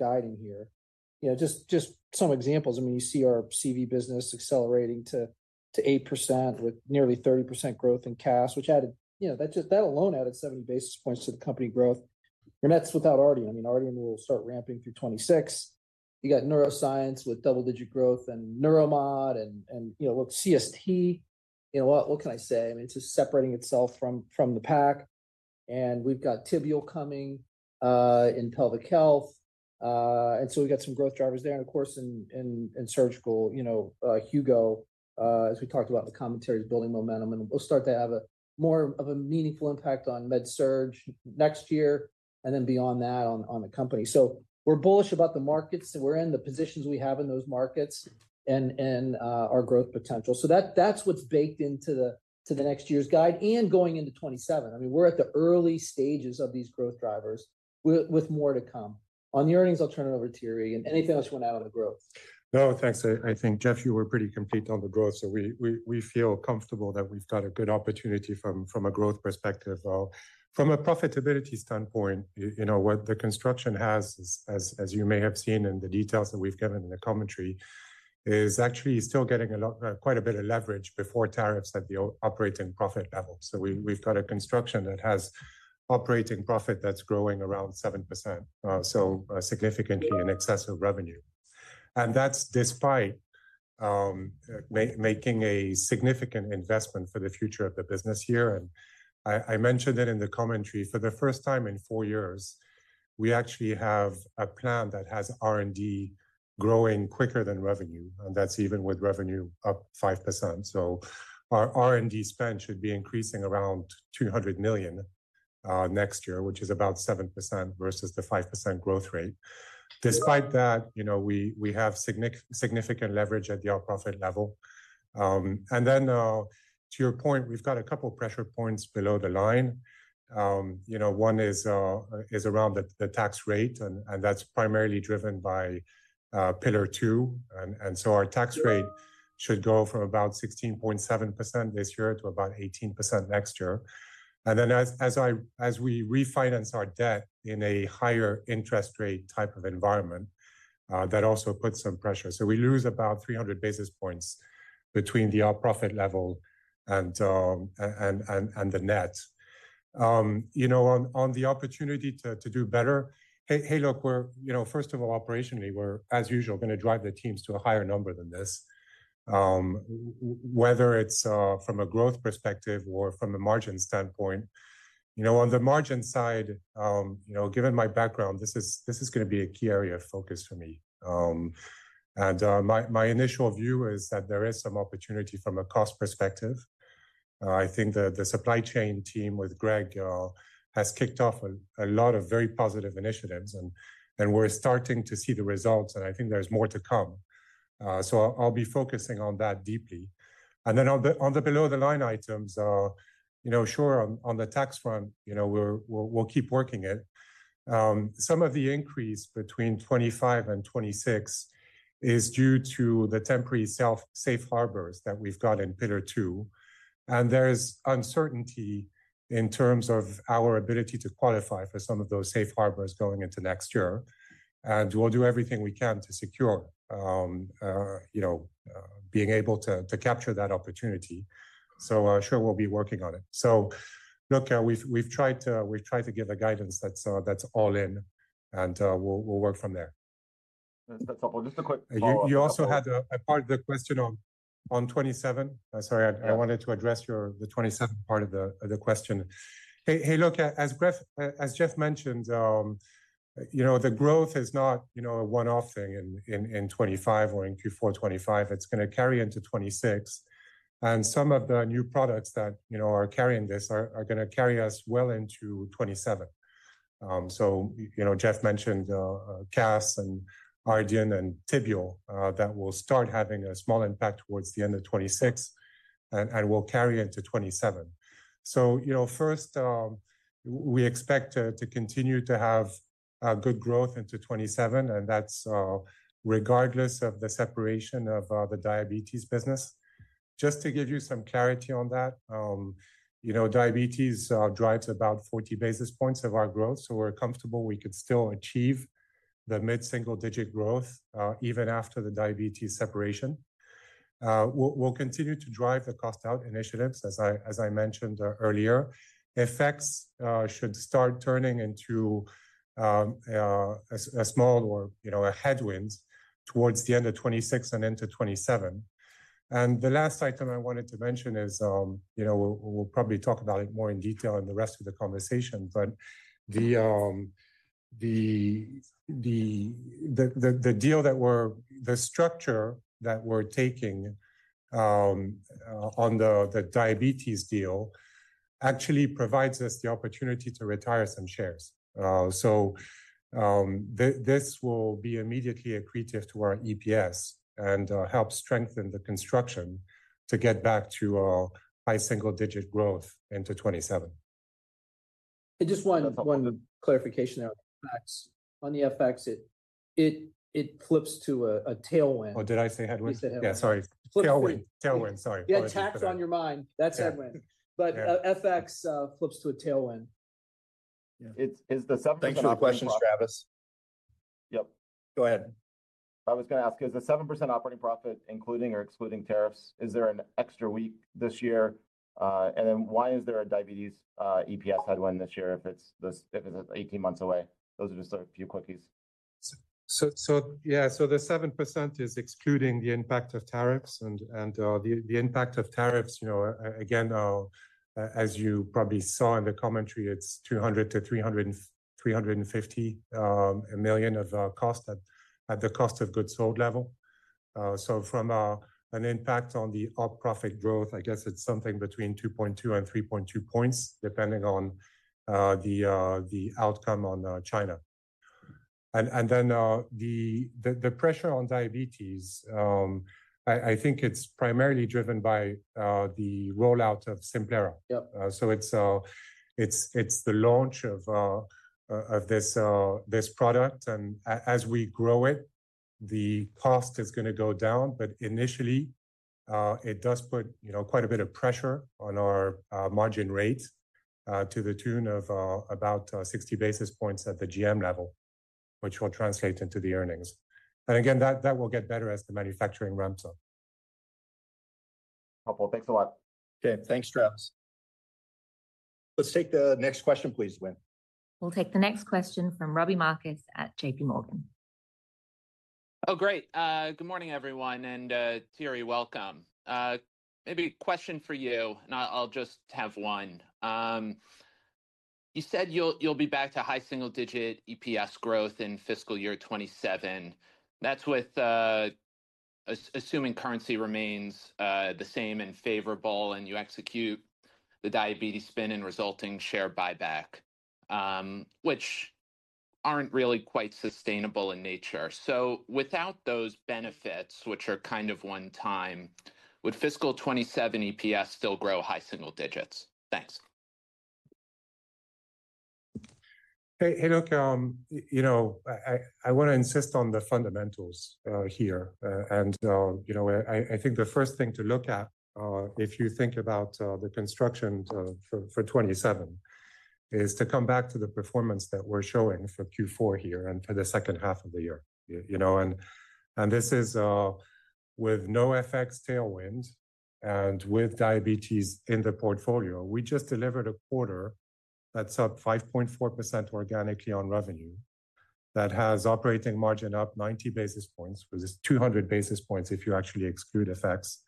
guiding here. Just some examples. I mean, you see our CV business accelerating to 8% with nearly 30% growth in CAS, which added—that alone added 70 basis points to the company growth. That's without Ardian. I mean, Ardian will start ramping through 2026. You got Neuroscience with double-digit growth and Neuromod. Look, CST, what can I say? I mean, it's just separating itself from the pack. We've got Tibial coming in pelvic health. We have got some growth drivers there. Of course, in surgical, Hugo, as we talked about in the commentaries, is building momentum. We will start to have more of a meaningful impact on MedSurge next year and then beyond that on the company. We are bullish about the markets that we are in, the positions we have in those markets, and our growth potential. That is what is baked into the next year's guide and going into 2027. I mean, we are at the early stages of these growth drivers with more to come. On the earnings, I will turn it over to Terry. Anything else you want to add on the growth? No, thanks. I think, Jeff, you were pretty complete on the growth. We feel comfortable that we have got a good opportunity from a growth perspective. From a profitability standpoint, what the construction has, as you may have seen in the details that we've given in the commentary, is actually still getting quite a bit of leverage before tariffs at the operating profit level. We've got a construction that has operating profit that's growing around 7%, significantly in excess of revenue. That's despite making a significant investment for the future of the business here. I mentioned it in the commentary. For the first time in four years, we actually have a plan that has R&D growing quicker than revenue. That's even with revenue up 5%. Our R&D spend should be increasing around $200 million next year, which is about 7% versus the 5% growth rate. Despite that, we have significant leverage at the upper profit level. To your point, we've got a couple of pressure points below the line. One is around the tax rate, and that's primarily driven by Pillar Two. Our tax rate should go from about 16.7% this year to about 18% next year. As we refinance our debt in a higher interest rate type of environment, that also puts some pressure. We lose about 300 basis points between the upper profit level and the net. On the opportunity to do better, hey, look, first of all, operationally, we're, as usual, going to drive the teams to a higher number than this, whether it's from a growth perspective or from a margin standpoint. On the margin side, given my background, this is going to be a key area of focus for me. My initial view is that there is some opportunity from a cost perspective. I think the supply chain team with Greg has kicked off a lot of very positive initiatives, and we're starting to see the results. I think there's more to come. I'll be focusing on that deeply. On the below-the-line items, sure, on the tax front, we'll keep working it. Some of the increase between 2025 and 2026 is due to the temporary safe harbors that we've got in Pillar Two. There's uncertainty in terms of our ability to qualify for some of those safe harbors going into next year. We'll do everything we can to secure being able to capture that opportunity. Sure, we'll be working on it. Look, we've tried to give the guidance that's all in, and we'll work from there. That's helpful. Just a quick follow-up. You also had a part of the question on 2027. Sorry, I wanted to address the 2027 part of the question. Hey, look, as Jeff mentioned, the growth is not a one-off thing in 2025 or in Q4 2025. It's going to carry into 2026. Some of the new products that are carrying this are going to carry us well into 2027. Jeff mentioned CAS and Ardian and Tibial that will start having a small impact towards the end of 2026 and will carry into 2027. First, we expect to continue to have good growth into 2027, and that's regardless of the separation of the diabetes business. Just to give you some clarity on that, diabetes drives about 40 basis points of our growth. We're comfortable. We could still achieve the mid-single-digit growth even after the diabetes separation. We'll continue to drive the cost-out initiatives, as I mentioned earlier. Effects should start turning into a small or a headwind towards the end of 2026 and into 2027. The last item I wanted to mention is we'll probably talk about it more in detail in the rest of the conversation. The deal that we're—the structure that we're taking on the diabetes deal actually provides us the opportunity to retire some shares. This will be immediately accretive to our EPS and help strengthen the construction to get back to high single-digit growth into 2027. I just wanted a clarification there on the effects. On the effects, it flips to a tailwind. Oh, did I say headwind? Yeah, sorry. Tailwind. Tailwind, sorry. Yeah, tax on your mind. That's headwind. Effects flips to a tailwind. Is the 7% operating profit— Thanks for the question, Travis. Yep. Go ahead. I was going to ask, is the 7% operating profit, including or excluding tariffs, is there an extra week this year? And then why is there a diabetes EPS headwind this year if it's 18 months away? Those are just a few quickies. Yeah, the 7% is excluding the impact of tariffs. The impact of tariffs, again, as you probably saw in the commentary, is $200 million-$350 million of cost at the cost of goods sold level. From an impact on the operating profit growth, I guess it's something between 2.2 and 3.2 percentage points, depending on the outcome on China. The pressure on diabetes, I think it's primarily driven by the rollout of Simplera. It's the launch of this product. As we grow it, the cost is going to go down. Initially, it does put quite a bit of pressure on our margin rate to the tune of about 60 basis points at the GM level, which will translate into the earnings. Again, that will get better as the manufacturing ramps up. Helpful. Thanks a lot. Okay. Thanks, Travis. Let's take the next question, please, Gwen. We'll take the next question from Robbie Marcus at JP Morgan. Oh, great. Good morning, everyone. And Terry, welcome. Maybe a question for you, and I'll just have one. You said you'll be back to high single-digit EPS growth in fiscal year 2027. That's with assuming currency remains the same and favorable, and you execute the diabetes spin and resulting share buyback, which aren't really quite sustainable in nature. Without those benefits, which are kind of one-time, would fiscal 2027 EPS still grow high single digits? Thanks. Hey, look, I want to insist on the fundamentals here. I think the first thing to look at if you think about the construction for 2027 is to come back to the performance that we're showing for Q4 here and for the second half of the year. This is with no FX tailwind and with diabetes in the portfolio. We just delivered a quarter that's up 5.4% organically on revenue. That has operating margin up 90 basis points, which is 200 basis points if you actually exclude FX.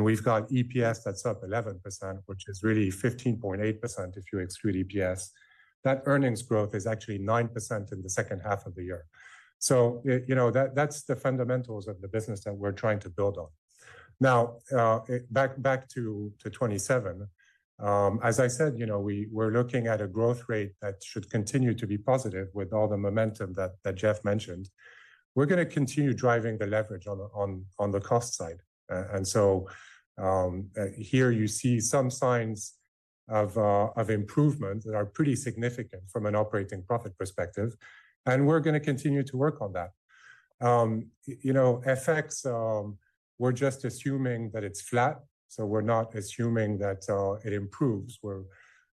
We've got EPS that's up 11%, which is really 15.8% if you exclude FX. That earnings growth is actually 9% in the second half of the year. That's the fundamentals of the business that we're trying to build on. Now, back to 2027, as I said, we're looking at a growth rate that should continue to be positive with all the momentum that Jeff mentioned. We're going to continue driving the leverage on the cost side. Here you see some signs of improvement that are pretty significant from an operating profit perspective. We're going to continue to work on that. FX, we're just assuming that it's flat. We're not assuming that it improves.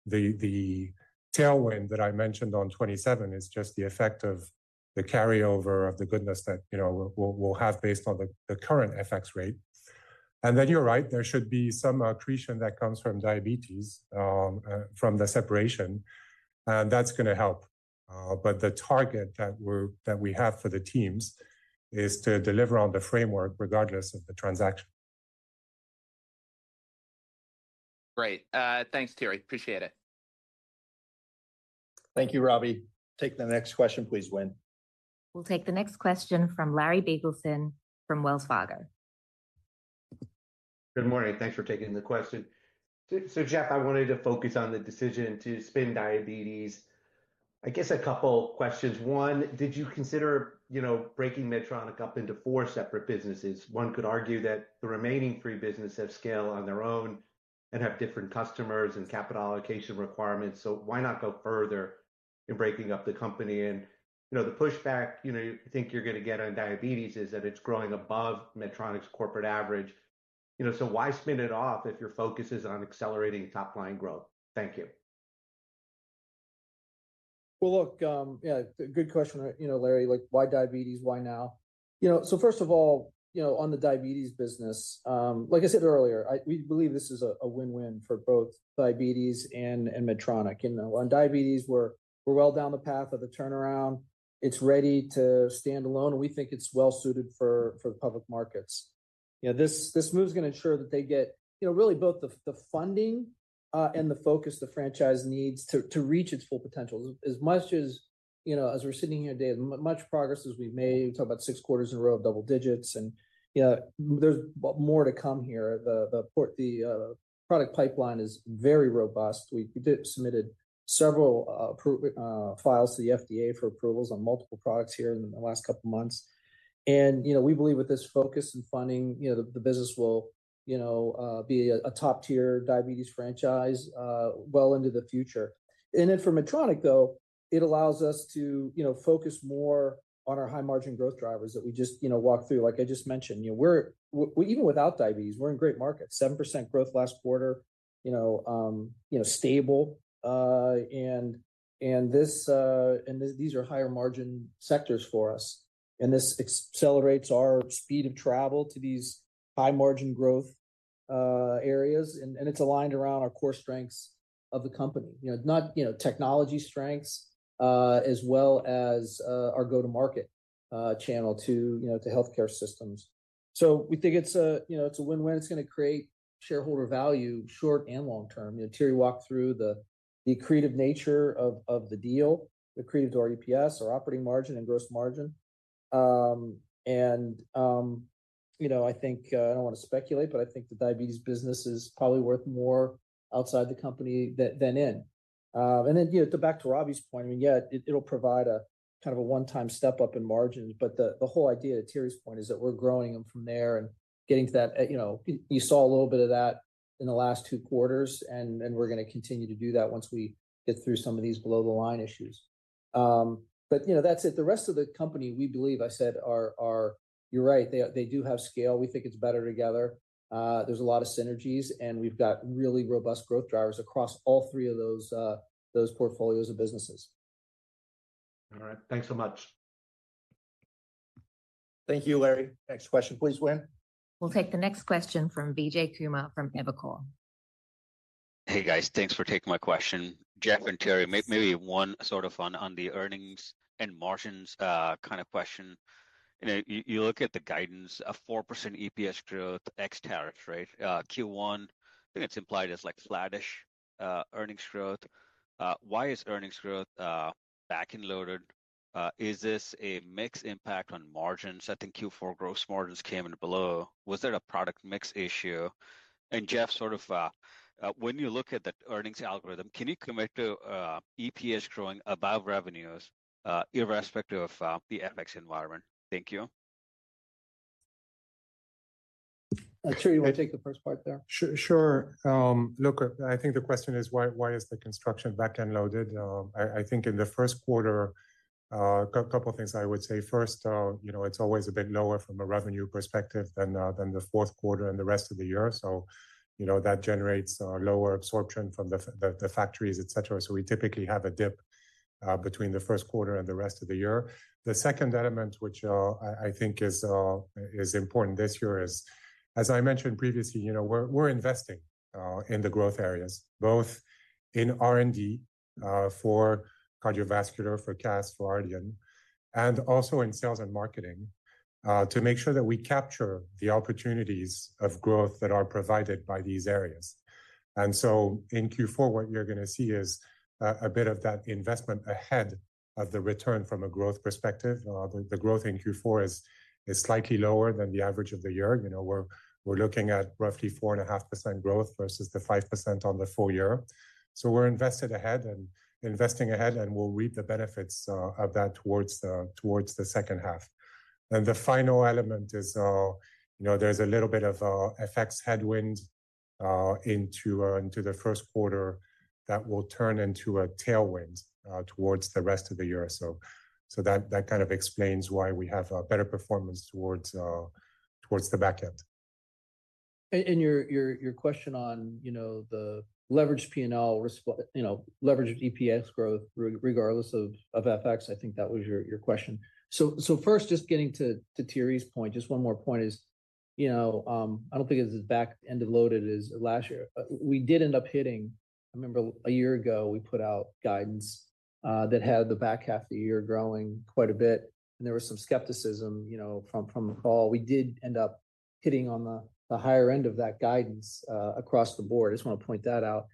The tailwind that I mentioned on 2027 is just the effect of the carryover of the goodness that we'll have based on the current FX rate. You're right, there should be some accretion that comes from diabetes from the separation. That's going to help. The target that we have for the teams is to deliver on the framework regardless of the transaction. Great. Thanks, Thierry. Appreciate it. Thank you, Robbie. Take the next question, please, Gwen. We'll take the next question from Larry Biegelsen from Wells Fargo. Good morning. Thanks for taking the question. So Jeff, I wanted to focus on the decision to spin diabetes. I guess a couple of questions. One, did you consider breaking Medtronic up into four separate businesses? One could argue that the remaining three businesses have scale on their own and have different customers and capital allocation requirements. Why not go further in breaking up the company? The pushback you think you're going to get on diabetes is that it's growing above Medtronic's corporate average. Why spin it off if your focus is on accelerating top-line growth? Thank you. Look, yeah, good question, Larry. Why diabetes? Why now? First of all, on the diabetes business, like I said earlier, we believe this is a win-win for both diabetes and Medtronic. On diabetes, we're well down the path of the turnaround. It's ready to stand alone. We think it's well-suited for public markets. This move is going to ensure that they get really both the funding and the focus the franchise needs to reach its full potential. As much as we're sitting here today, much progress as we've made. We talked about six quarters in a row of double digits. There's more to come here. The product pipeline is very robust. We submitted several files to the FDA for approvals on multiple products here in the last couple of months. We believe with this focus and funding, the business will be a top-tier diabetes franchise well into the future. For Medtronic, though, it allows us to focus more on our high-margin growth drivers that we just walked through. Like I just mentioned, even without diabetes, we're in great markets. 7% growth last quarter, stable. These are higher-margin sectors for us. This accelerates our speed of travel to these high-margin growth areas. It is aligned around our core strengths of the company, not technology strengths, as well as our go-to-market channel to healthcare systems. We think it's a win-win. It's going to create shareholder value short and long-term. Thierry walked through the accretive nature of the deal, accretive to our EPS, our operating margin, and gross margin. I think I don't want to speculate, but I think the diabetes business is probably worth more outside the company than in. Then back to Robbie's point, I mean, yeah, it'll provide a kind of a one-time step-up in margins. The whole idea, to Terry's point, is that we're growing them from there and getting to that. You saw a little bit of that in the last two quarters. We're going to continue to do that once we get through some of these below-the-line issues. That's it. The rest of the company, we believe, I said, are—you’re right. They do have scale. We think it's better together. There's a lot of synergies. We've got really robust growth drivers across all three of those portfolios of businesses. All right. Thanks so much. Thank you, Larry. Next question, please, Gwen. We'll take the next question from Vijay Kuma from Evercore. Hey, guys. Thanks for taking my question. Jeff and Terry, maybe one sort of on the earnings and margins kind of question. You look at the guidance of 4% EPS growth, ex-tariffs, right? Q1, I think it's implied as flat-ish earnings growth. Why is earnings growth back-loaded? Is this a mix impact on margins? I think Q4 gross margins came in below. Was there a product mix issue? And Jeff, sort of when you look at the earnings algorithm, can you commit to EPS growing above revenues irrespective of the FX environment? Thank you. Terry, you want to take the first part there? Sure. Look, I think the question is, why is the construction back-loaded? I think in the first quarter, a couple of things I would say. First, it's always a bit lower from a revenue perspective than the fourth quarter and the rest of the year. That generates lower absorption from the factories, etc. We typically have a dip between the first quarter and the rest of the year. The second element, which I think is important this year, is, as I mentioned previously, we're investing in the growth areas, both in R&D for cardiovascular, for CAS, for Ardian, and also in sales and marketing to make sure that we capture the opportunities of growth that are provided by these areas. In Q4, what you're going to see is a bit of that investment ahead of the return from a growth perspective. The growth in Q4 is slightly lower than the average of the year. We're looking at roughly 4.5% growth versus the 5% on the full year. We're invested ahead and investing ahead, and we'll reap the benefits of that towards the second half. The final element is there's a little bit of FX headwind into the first quarter that will turn into a tailwind towards the rest of the year. That kind of explains why we have better performance towards the backend. Your question on the leveraged P&L, leveraged EPS growth, regardless of FX, I think that was your question. First, just getting to Thierry's point, just one more point is I do not think it is as back-end-loaded as last year. We did end up hitting—I remember a year ago, we put out guidance that had the back half of the year growing quite a bit. There was some skepticism from the fall. We did end up hitting on the higher end of that guidance across the board. I just want to point that out.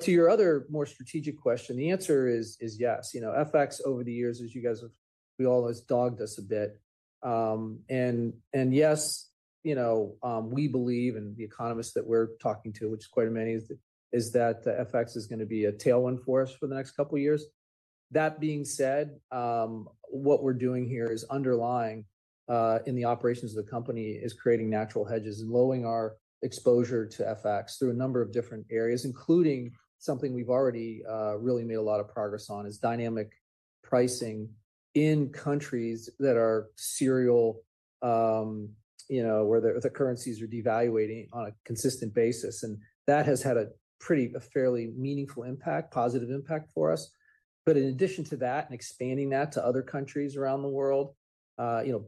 To your other more strategic question, the answer is yes. FX over the years, as you guys have—we all always dogged us a bit. Yes, we believe, and the economists that we're talking to, which is quite a many, is that FX is going to be a tailwind for us for the next couple of years. That being said, what we're doing here is underlying in the operations of the company is creating natural hedges and lowering our exposure to FX through a number of different areas, including something we've already really made a lot of progress on, is dynamic pricing in countries that are serial, where the currencies are devaluating on a consistent basis. That has had a fairly meaningful impact, positive impact for us. In addition to that, and expanding that to other countries around the world,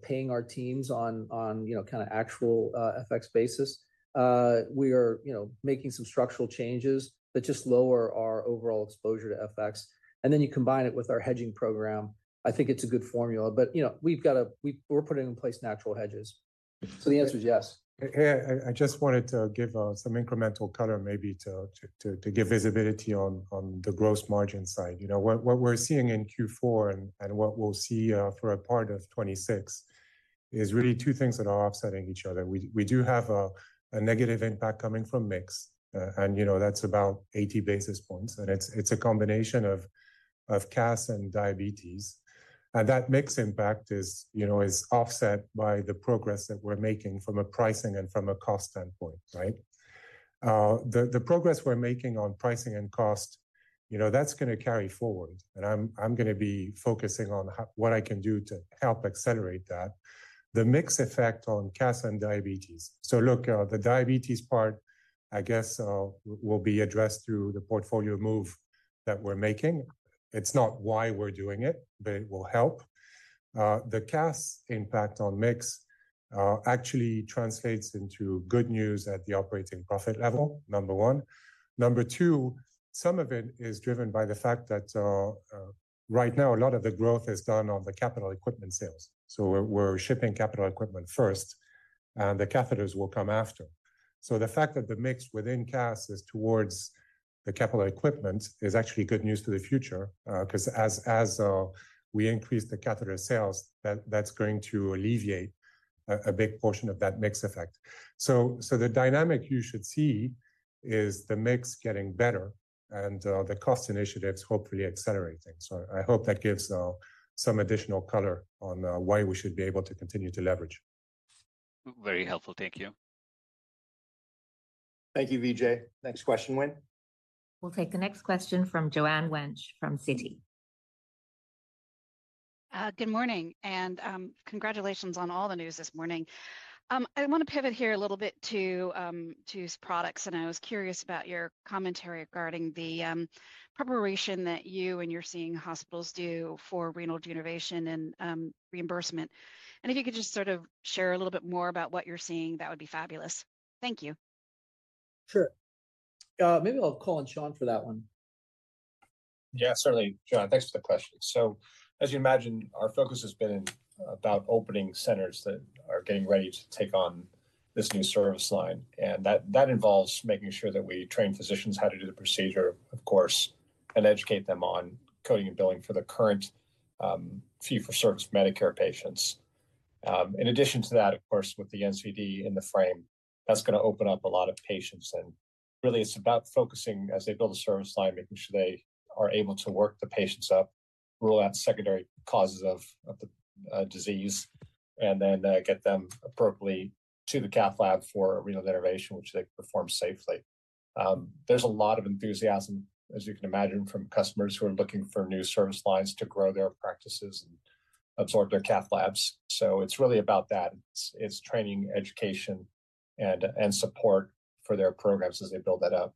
paying our teams on kind of actual FX basis, we are making some structural changes that just lower our overall exposure to FX. You combine it with our hedging program, I think it's a good formula. We're putting in place natural hedges. The answer is yes. Hey, I just wanted to give some incremental color maybe to give visibility on the gross margin side. What we're seeing in Q4 and what we'll see for a part of 2026 is really two things that are offsetting each other. We do have a negative impact coming from mix. That's about 80 basis points. It's a combination of CAS and diabetes. That mixed impact is offset by the progress that we're making from a pricing and from a cost standpoint, right? The progress we're making on pricing and cost, that's going to carry forward. I'm going to be focusing on what I can do to help accelerate that. The mixed effect on CAS and diabetes. Look, the diabetes part, I guess, will be addressed through the portfolio move that we're making. It's not why we're doing it, but it will help. The CAS impact on mix actually translates into good news at the operating profit level, number one. Number two, some of it is driven by the fact that right now, a lot of the growth is done on the capital equipment sales. We're shipping capital equipment first, and the catheters will come after. The fact that the mix within CAS is towards the capital equipment is actually good news for the future because as we increase the catheter sales, that's going to alleviate a big portion of that mixed effect. The dynamic you should see is the mix getting better and the cost initiatives hopefully accelerating. I hope that gives some additional color on why we should be able to continue to leverage. Very helpful. Thank you. Thank you, Vijay. Next question, Gwen. We'll take the next question from Joanne Wuensch from Citi. Good morning. Congratulations on all the news this morning. I want to pivot here a little bit to products. I was curious about your commentary regarding the preparation that you and you're seeing hospitals do for renal denervation and reimbursement. If you could just sort of share a little bit more about what you're seeing, that would be fabulous. Thank you. Sure. Maybe I'll call on Sean for that one. Yeah, certainly, Sean. Thanks for the question. As you imagine, our focus has been about opening centers that are getting ready to take on this new service line. That involves making sure that we train physicians how to do the procedure, of course, and educate them on coding and billing for the current fee-for-service Medicare patients. In addition to that, of course, with the NCD in the frame, that's going to open up a lot of patients. Really, it's about focusing as they build a service line, making sure they are able to work the patients up, rule out secondary causes of the disease, and then get them appropriately to the cath lab for renal denervation, which they perform safely. There's a lot of enthusiasm, as you can imagine, from customers who are looking for new service lines to grow their practices and absorb their cath labs. It's really about that. It's training, education, and support for their programs as they build that up.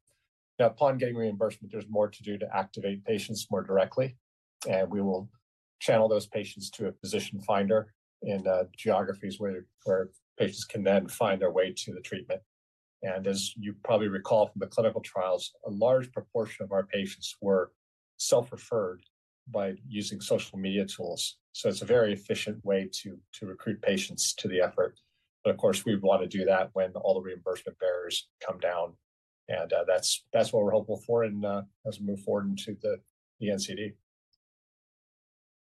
Now, upon getting reimbursement, there's more to do to activate patients more directly. We will channel those patients to a physician finder in geographies where patients can then find their way to the treatment. As you probably recall from the clinical trials, a large proportion of our patients were self-referred by using social media tools. It is a very efficient way to recruit patients to the effort. Of course, we want to do that when all the reimbursement barriers come down. That is what we are hopeful for as we move forward into the NCD.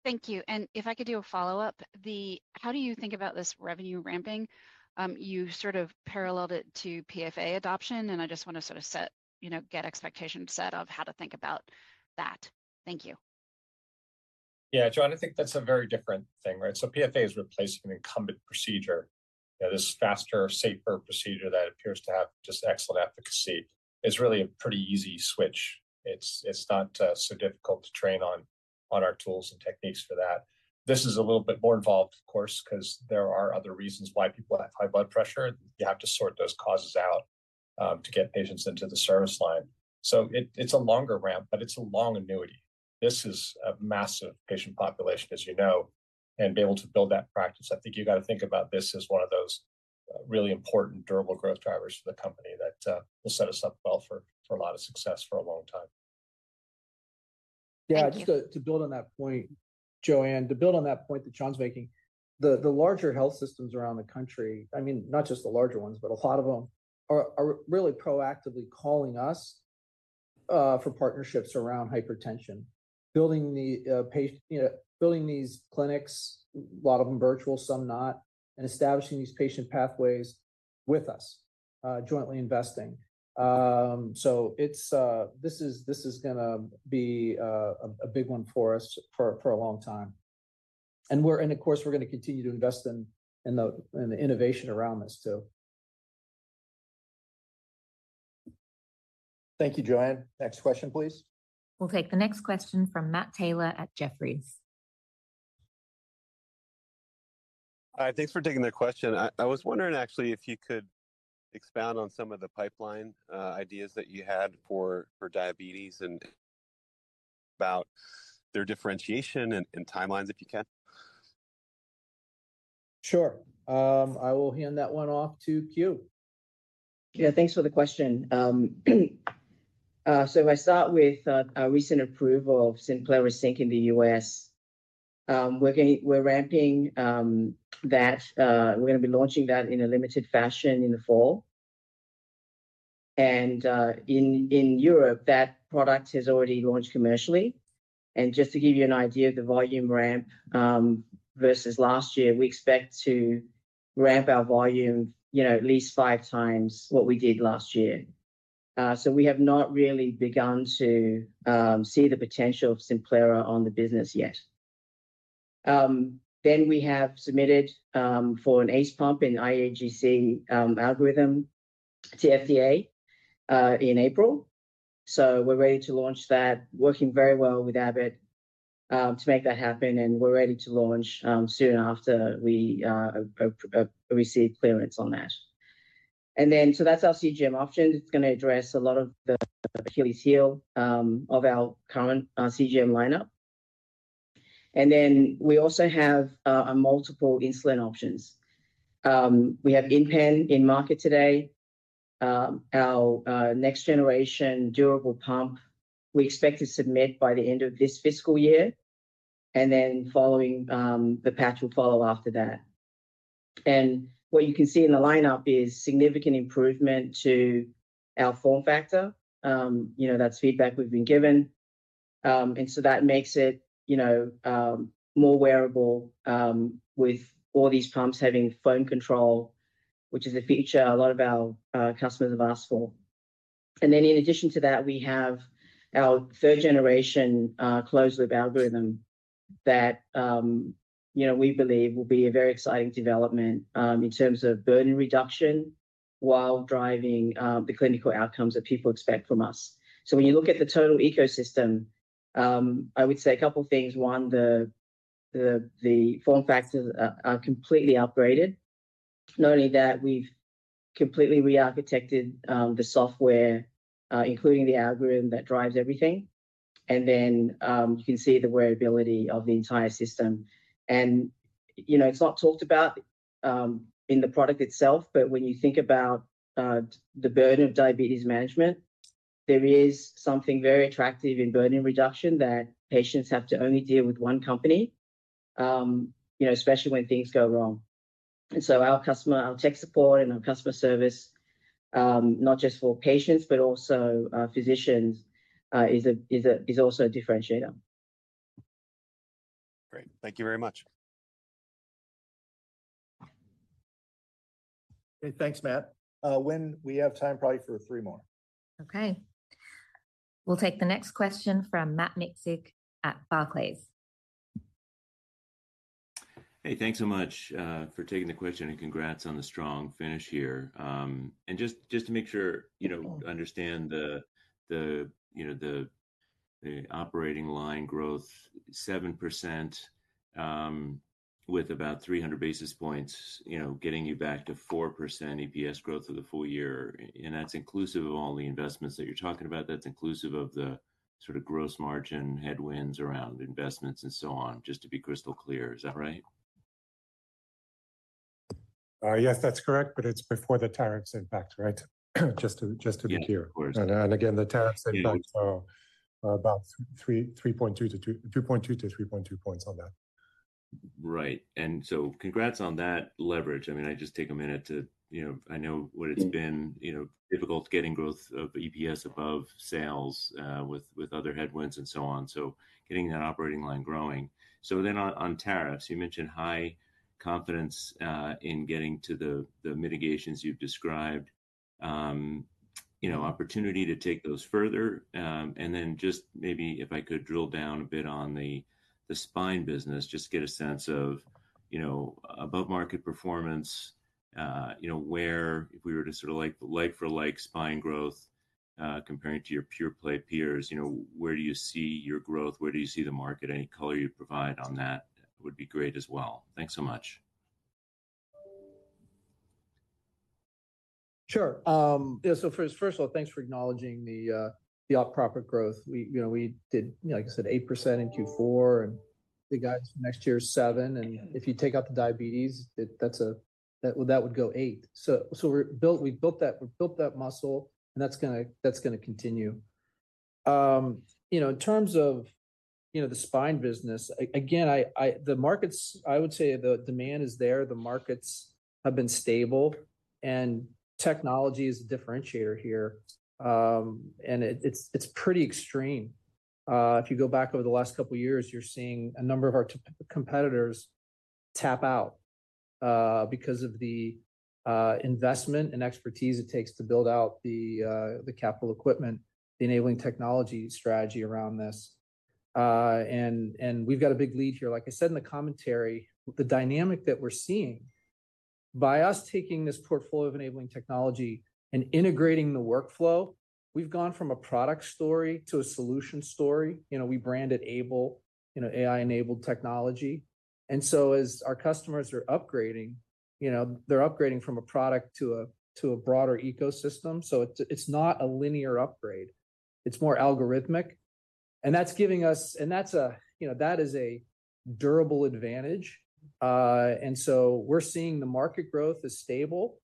Thank you. If I could do a follow-up, how do you think about this revenue ramping? You sort of paralleled it to PFA adoption. I just want to sort of get expectations set of how to think about that. Thank you. Yeah, Joanne, I think that is a very different thing, right? PFA is replacing an incumbent procedure. This faster, safer procedure that appears to have just excellent efficacy is really a pretty easy switch. It is not so difficult to train on our tools and techniques for that. This is a little bit more involved, of course, because there are other reasons why people have high blood pressure. You have to sort those causes out to get patients into the service line. It is a longer ramp, but it is a long annuity. This is a massive patient population, as you know, and be able to build that practice. I think you have to think about this as one of those really important durable growth drivers for the company that will set us up well for a lot of success for a long time. Yeah, just to build on that point, Joanne, to build on that point that Sean is making, the larger health systems around the country, I mean, not just the larger ones, but a lot of them are really proactively calling us for partnerships around hypertension, building these clinics, a lot of them virtual, some not, and establishing these patient pathways with us, jointly investing. This is going to be a big one for us for a long time. Of course, we're going to continue to invest in the innovation around this too. Thank you, Joanne. Next question, please. We'll take the next question from Matt Taylor at Jefferies. Hi, thanks for taking the question. I was wondering, actually, if you could expound on some of the pipeline ideas that you had for diabetes and about their differentiation and timelines, if you can. Sure. I will hand that one off to Q. Yeah, thanks for the question. I start with a recent approval of Simplera Sync in the U.S. We're ramping that. We're going to be launching that in a limited fashion in the fall. In Europe, that product has already launched commercially. Just to give you an idea of the volume ramp versus last year, we expect to ramp our volume at least five times what we did last year. We have not really begun to see the potential of Sinclair on the business yet. We have submitted for an ACE pump and IAGC algorithm to FDA in April. We are ready to launch that, working very well with Abbott to make that happen. We are ready to launch soon after we receive clearance on that. That is our CGM option. It is going to address a lot of the Achilles heel of our current CGM lineup. We also have multiple insulin options. We have InPen in market today, our next-generation durable pump. We expect to submit by the end of this fiscal year. Following that, the patch will follow after that. What you can see in the lineup is significant improvement to our form factor. That is feedback we have been given. That makes it more wearable with all these pumps having phone control, which is a feature a lot of our customers have asked for. In addition to that, we have our third-generation closed-loop algorithm that we believe will be a very exciting development in terms of burden reduction while driving the clinical outcomes that people expect from us. When you look at the total ecosystem, I would say a couple of things. One, the form factors are completely upgraded. Not only that, we have completely re-architected the software, including the algorithm that drives everything. You can see the wearability of the entire system. It is not talked about in the product itself, but when you think about the burden of diabetes management, there is something very attractive in burden reduction that patients have to only deal with one company, especially when things go wrong. Our tech support and our customer service, not just for patients, but also physicians, is also a differentiator. Great. Thank you very much. Okay, thanks, Matt. Gwen, we have time probably for three more. Okay. We will take the next question from Matt Nixick at Barclays. Hey, thanks so much for taking the question and congrats on the strong finish here. Just to make sure you understand the operating line growth, 7% with about 300 basis points, getting you back to 4% EPS growth for the full year. That is inclusive of all the investments that you are talking about. That's inclusive of the sort of gross margin headwinds around investments and so on, just to be crystal clear. Is that right? Yes, that's correct. But it's before the tariffs impact, right? Just to be clear. Again, the tariffs impact are about 3.2-3.2 points on that. Right. Congrats on that leverage. I mean, I just take a minute to, I know it's been difficult getting growth of EPS above sales with other headwinds and so on. Getting that operating line growing. On tariffs, you mentioned high confidence in getting to the mitigations you've described, opportunity to take those further. If I could drill down a bit on the spine business, just get a sense of above-market performance, where if we were to sort of like-for-like spine growth comparing to your pure play peers, where do you see your growth? Where do you see the market? Any color you provide on that would be great as well. Thanks so much. Sure. Yeah. First of all, thanks for acknowledging the proper growth. We did, like I said, 8% in Q4, and the guidance for next year is 7%. If you take out the diabetes, that would go to 8%. We built that muscle, and that's going to continue. In terms of the spine business, again, the markets, I would say the demand is there. The markets have been stable. Technology is a differentiator here, and it's pretty extreme. If you go back over the last couple of years, you're seeing a number of our competitors tap out because of the investment and expertise it takes to build out the capital equipment, the enabling technology strategy around this. We've got a big lead here. Like I said in the commentary, the dynamic that we're seeing by us taking this portfolio of enabling technology and integrating the workflow, we've gone from a product story to a solution story. We brand it AI-enabled technology. As our customers are upgrading, they're upgrading from a product to a broader ecosystem. It's not a linear upgrade. It's more algorithmic. That's giving us, and that is a durable advantage. We're seeing the market growth is stable.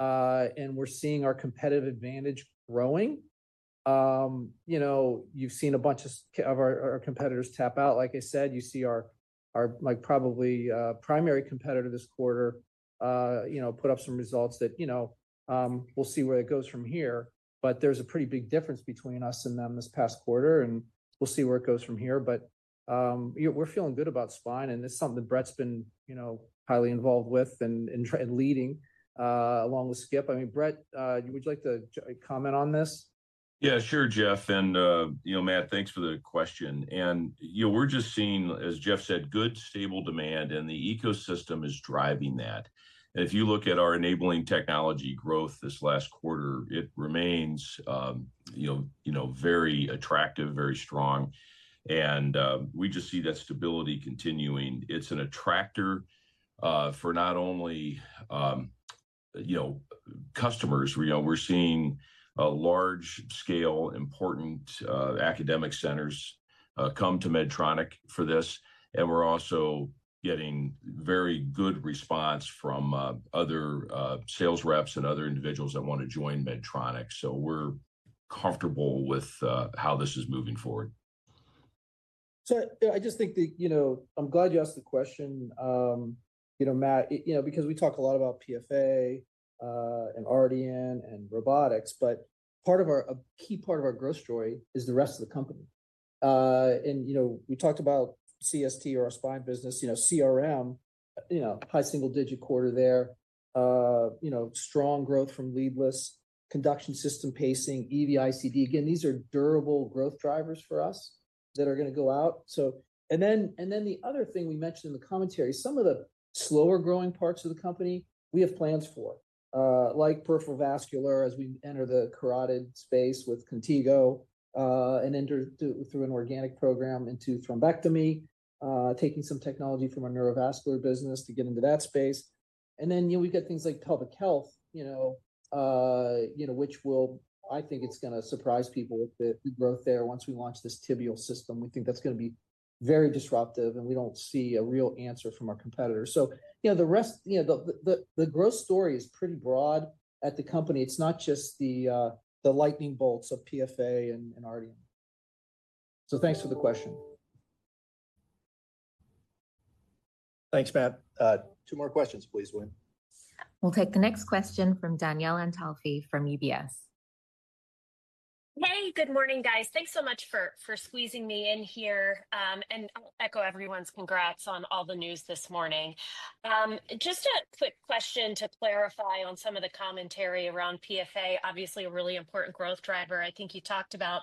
We're seeing our competitive advantage growing. You've seen a bunch of our competitors tap out. Like I said, you see our probably primary competitor this quarter put up some results that we'll see where it goes from here. There is a pretty big difference between us and them this past quarter. We'll see where it goes from here. We're feeling good about spine. It's something that Brett's been highly involved with and leading along with Skip. I mean, Brett, would you like to comment on this? Yeah, sure, Jeff. And Matt, thanks for the question. We're just seeing, as Jeff said, good stable demand. The ecosystem is driving that. If you look at our enabling technology growth this last quarter, it remains very attractive, very strong. We just see that stability continuing. It's an attractor for not only customers. We're seeing large-scale, important academic centers come to Medtronic for this. We're also getting very good response from other sales reps and other individuals that want to join Medtronic. We are comfortable with how this is moving forward. I just think I'm glad you asked the question, Matt, because we talk a lot about PFA and RDN and robotics. A key part of our growth story is the rest of the company. We talked about CST, or our spine business, CRM, high single-digit quarter there, strong growth from leadless, conduction system pacing, EVICD. Again, these are durable growth drivers for us that are going to go out. The other thing we mentioned in the commentary, some of the slower-growing parts of the company, we have plans for, like peripheral vascular as we enter the carotid space with Contigo and enter through an organic program into thrombectomy, taking some technology from our neurovascular business to get into that space. We have things like public health, which I think is going to surprise people with the growth there once we launch this tibial system. We think that is going to be very disruptive. We do not see a real answer from our competitors. The growth story is pretty broad at the company. It is not just the lightning bolts of PFA and RDN. Thanks for the question. Thanks, Matt. Two more questions, please, Gwen. We will take the next question from Danielle Antalfi from UBS. Hey, good morning, guys. Thanks so much for squeezing me in here. I'll echo everyone's congrats on all the news this morning. Just a quick question to clarify on some of the commentary around PFA, obviously a really important growth driver. I think you talked about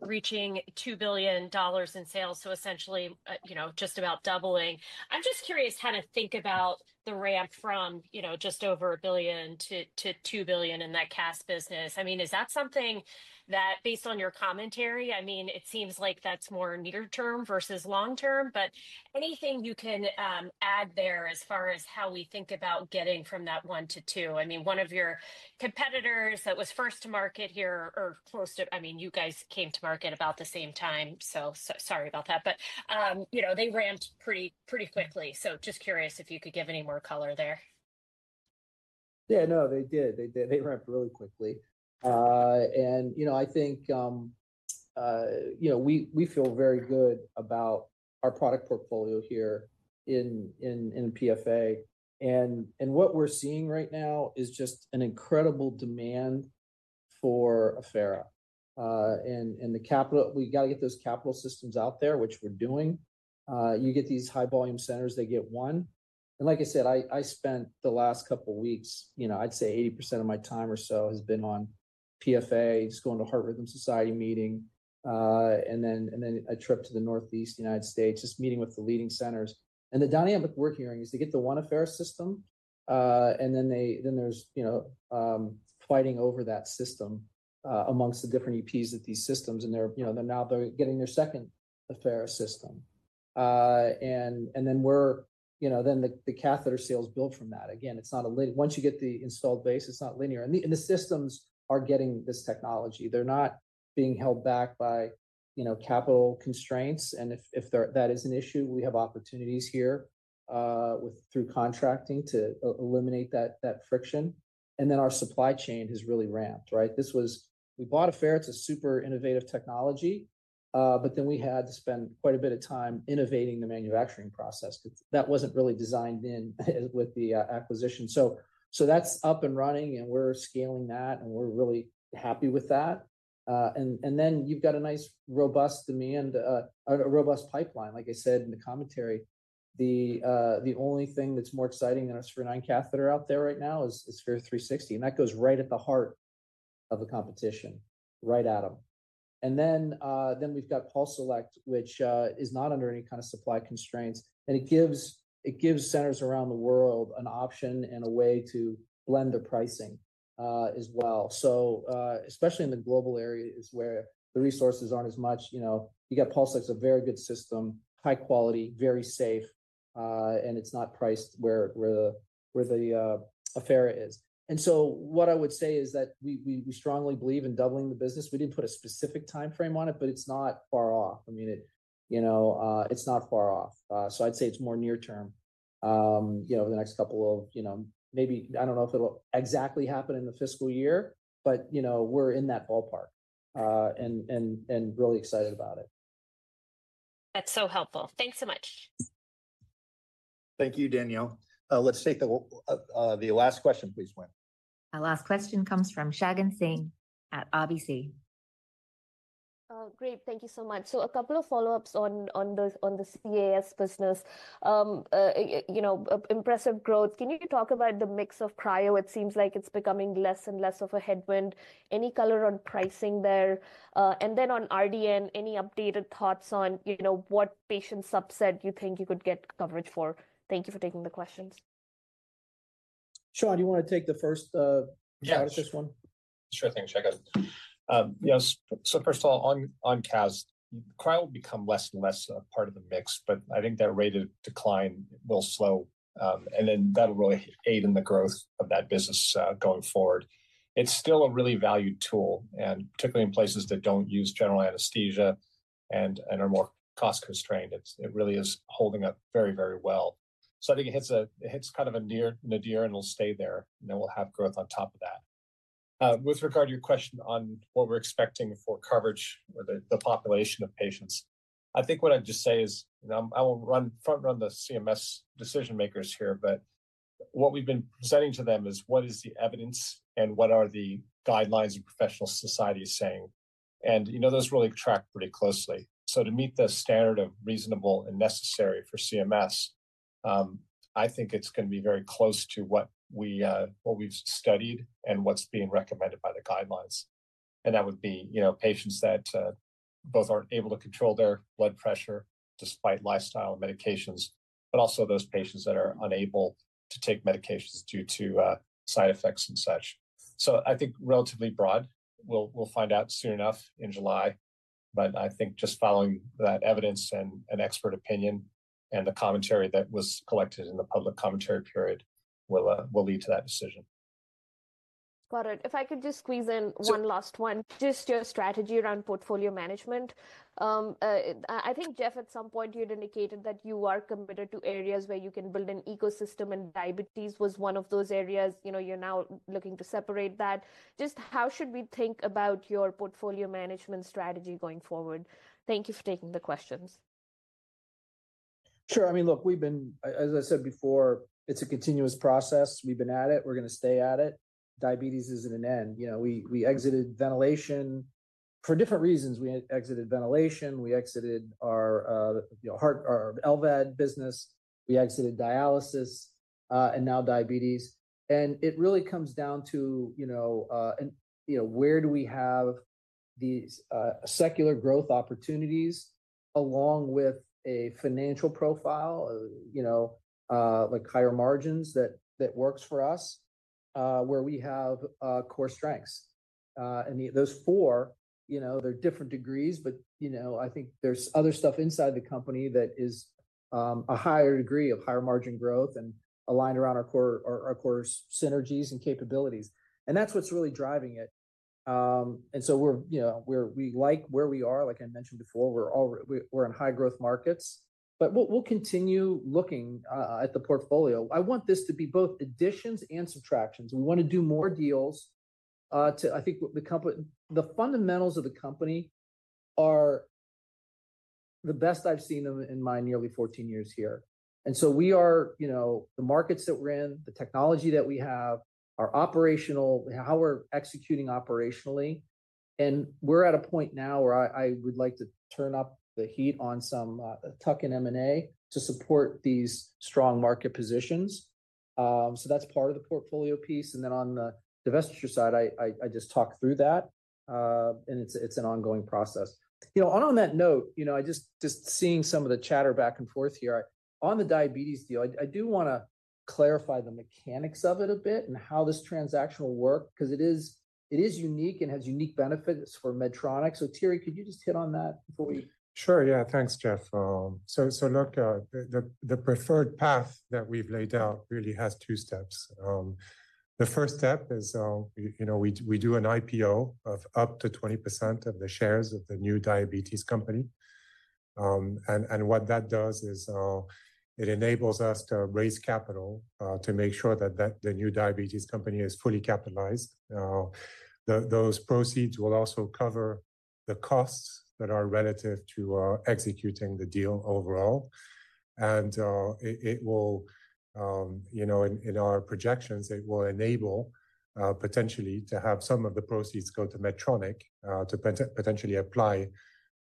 reaching $2 billion in sales, so essentially just about doubling. I'm just curious how to think about the ramp from just over $1 billion to $2 billion in that CAS business. I mean, is that something that, based on your commentary, it seems like that's more near-term versus long-term, but anything you can add there as far as how we think about getting from that $1 billion to $2 billion? I mean, one of your competitors that was first to market here or close to, I mean, you guys came to market about the same time. Sorry about that. They ramped pretty quickly. Just curious if you could give any more color there. Yeah, no, they did. They ramped really quickly. I think we feel very good about our product portfolio here in PFA. What we are seeing right now is just an incredible demand for Affera. We have to get those capital systems out there, which we are doing. You get these high-volume centers, they get one. Like I said, I spent the last couple of weeks, I would say 80% of my time or so has been on PFA, just going to Heart Rhythm Society meeting, and then a trip to the Northeast United States, just meeting with the leading centers. The dynamic we are hearing is they get the one Affera system, and then there is fighting over that system amongst the different EPs at these systems. Now they are getting their second Affera system. The catheter sales built from that. Again, once you get the installed base, it's not linear. The systems are getting this technology. They're not being held back by capital constraints. If that is an issue, we have opportunities here through contracting to eliminate that friction. Our supply chain has really ramped, right? We bought Affera. It's a super innovative technology. We had to spend quite a bit of time innovating the manufacturing process because that wasn't really designed in with the acquisition. That's up and running, and we're scaling that, and we're really happy with that. You've got a nice robust demand, a robust pipeline. Like I said in the commentary, the only thing that's more exciting than our Sphere-9 catheter out there right now is Sphere-360. That goes right at the heart of the competition, right at them. We have PulseSelect, which is not under any kind of supply constraints. It gives centers around the world an option and a way to blend their pricing as well. Especially in the global areas where the resources are not as much, you have PulseSelect, a very good system, high quality, very safe, and it is not priced where the Affera is. What I would say is that we strongly believe in doubling the business. We did not put a specific time frame on it, but it is not far off. I mean, it is not far off. I would say it is more near-term, the next couple of maybe I do not know if it will exactly happen in the fiscal year, but we are in that ballpark and really excited about it. That is so helpful. Thanks so much. Thank you, Danielle. Let's take the last question, please, Gwen. Our last question comes from Shagun Singh at RBC. Great. Thank you so much. So a couple of follow-ups on the CAS business. Impressive growth. Can you talk about the mix of cryo? It seems like it's becoming less and less of a headwind. Any color on pricing there? And then on RDN, any updated thoughts on what patient subset you think you could get coverage for? Thank you for taking the questions. Sean, do you want to take the first shot at this one? Sure thing. Check it. So first of all, on CAS, cryo will become less and less a part of the mix, but I think that rate of decline will slow. That will really aid in the growth of that business going forward. It's still a really valued tool, and particularly in places that don't use general anesthesia and are more cost-constrained. It really is holding up very, very well. I think it hits kind of a near and a dear, and it'll stay there. We'll have growth on top of that. With regard to your question on what we're expecting for coverage or the population of patients, I think what I'd just say is I will front-run the CMS decision-makers here, but what we've been presenting to them is what is the evidence and what are the guidelines and professional society saying. Those really track pretty closely. To meet the standard of reasonable and necessary for CMS, I think it's going to be very close to what we've studied and what's being recommended by the guidelines. That would be patients that both are not able to control their blood pressure despite lifestyle medications, but also those patients that are unable to take medications due to side effects and such. I think relatively broad. We will find out soon enough in July. I think just following that evidence and expert opinion and the commentary that was collected in the public commentary period will lead to that decision. Got it. If I could just squeeze in one last one, just your strategy around portfolio management. I think, Jeff, at some point, you had indicated that you are committed to areas where you can build an ecosystem, and diabetes was one of those areas. You are now looking to separate that. Just how should we think about your portfolio management strategy going forward? Thank you for taking the questions. Sure. I mean, look, as I said before, it's a continuous process. We've been at it. We're going to stay at it. Diabetes isn't an end. We exited ventilation for different reasons. We exited ventilation. We exited our LVAD business. We exited dialysis. And now diabetes. It really comes down to where do we have these secular growth opportunities along with a financial profile like higher margins that works for us where we have core strengths. Those four, they're different degrees, but I think there's other stuff inside the company that is a higher degree of higher margin growth and aligned around our core synergies and capabilities. That's what's really driving it. We like where we are. Like I mentioned before, we're in high-growth markets. We'll continue looking at the portfolio. I want this to be both additions and subtractions. We want to do more deals. I think the fundamentals of the company are the best I've seen them in my nearly 14 years here. We are the markets that we're in, the technology that we have, our operational, how we're executing operationally. We're at a point now where I would like to turn up the heat on some tuck and M&A to support these strong market positions. That's part of the portfolio piece. On the divestiture side, I just talk through that. It's an ongoing process. On that note, just seeing some of the chatter back and forth here, on the diabetes deal, I do want to clarify the mechanics of it a bit and how this transaction will work because it is unique and has unique benefits for Medtronic. Terry, could you just hit on that before we? Sure. Yeah. Thanks, Jeff. Look, the preferred path that we've laid out really has two steps. The first step is we do an IPO of up to 20% of the shares of the new diabetes company. What that does is it enables us to raise capital to make sure that the new diabetes company is fully capitalized. Those proceeds will also cover the costs that are relative to executing the deal overall. In our projections, it will enable potentially to have some of the proceeds go to Medtronic to potentially apply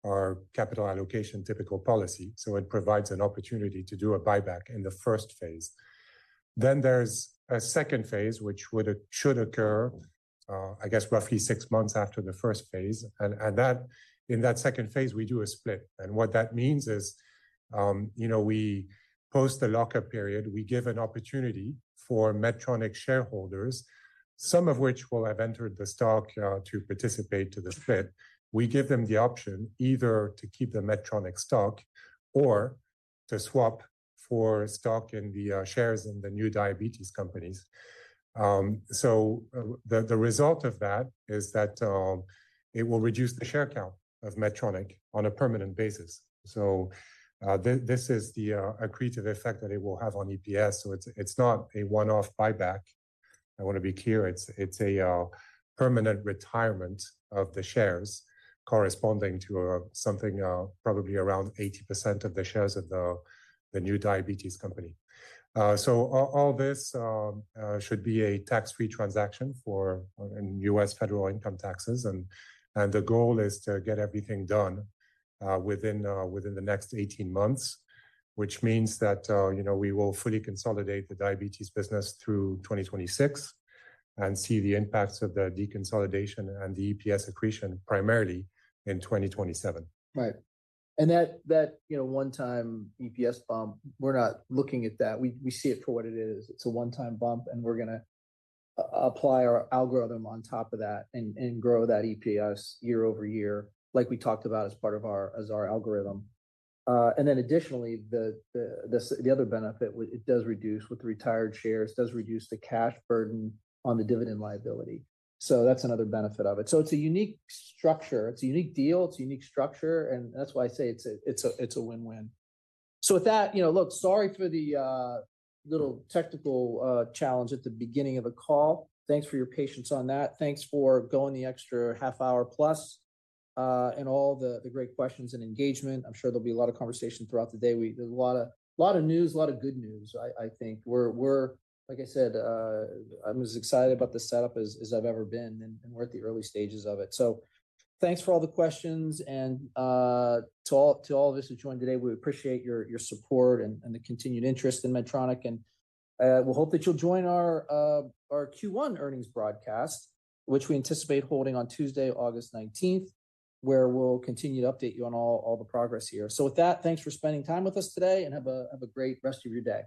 our capital allocation typical policy. It provides an opportunity to do a buyback in the first phase. There is a second phase, which should occur, I guess, roughly six months after the first phase. In that second phase, we do a split. What that means is we post a lockup period. We give an opportunity for Medtronic shareholders, some of which will have entered the stock to participate to the split. We give them the option either to keep the Medtronic stock or to swap for stock in the shares in the new diabetes companies. The result of that is that it will reduce the share count of Medtronic on a permanent basis. This is the accretive effect that it will have on EPS. It's not a one-off buyback. I want to be clear. It's a permanent retirement of the shares corresponding to something probably around 80% of the shares of the new diabetes company. All this should be a tax-free transaction for U.S. federal income taxes. The goal is to get everything done within the next 18 months, which means that we will fully consolidate the diabetes business through 2026 and see the impacts of the deconsolidation and the EPS accretion primarily in 2027. Right. That one-time EPS bump, we're not looking at that. We see it for what it is. It's a one-time bump, and we're going to apply our algorithm on top of that and grow that EPS year over year, like we talked about as part of our algorithm. Additionally, the other benefit, it does reduce with the retired shares, does reduce the cash burden on the dividend liability. That's another benefit of it. It's a unique structure. It's a unique deal. It's a unique structure. That's why I say it's a win-win. With that, look, sorry for the little technical challenge at the beginning of the call. Thanks for your patience on that. Thanks for going the extra half hour plus and all the great questions and engagement. I'm sure there'll be a lot of conversation throughout the day. There's a lot of news, a lot of good news, I think. Like I said, I'm as excited about the setup as I've ever been, and we're at the early stages of it. Thanks for all the questions. To all of us who joined today, we appreciate your support and the continued interest in Medtronic. We hope that you'll join our Q1 earnings broadcast, which we anticipate holding on Tuesday, August 19th, where we'll continue to update you on all the progress here. Thanks for spending time with us today, and have a great rest of your day.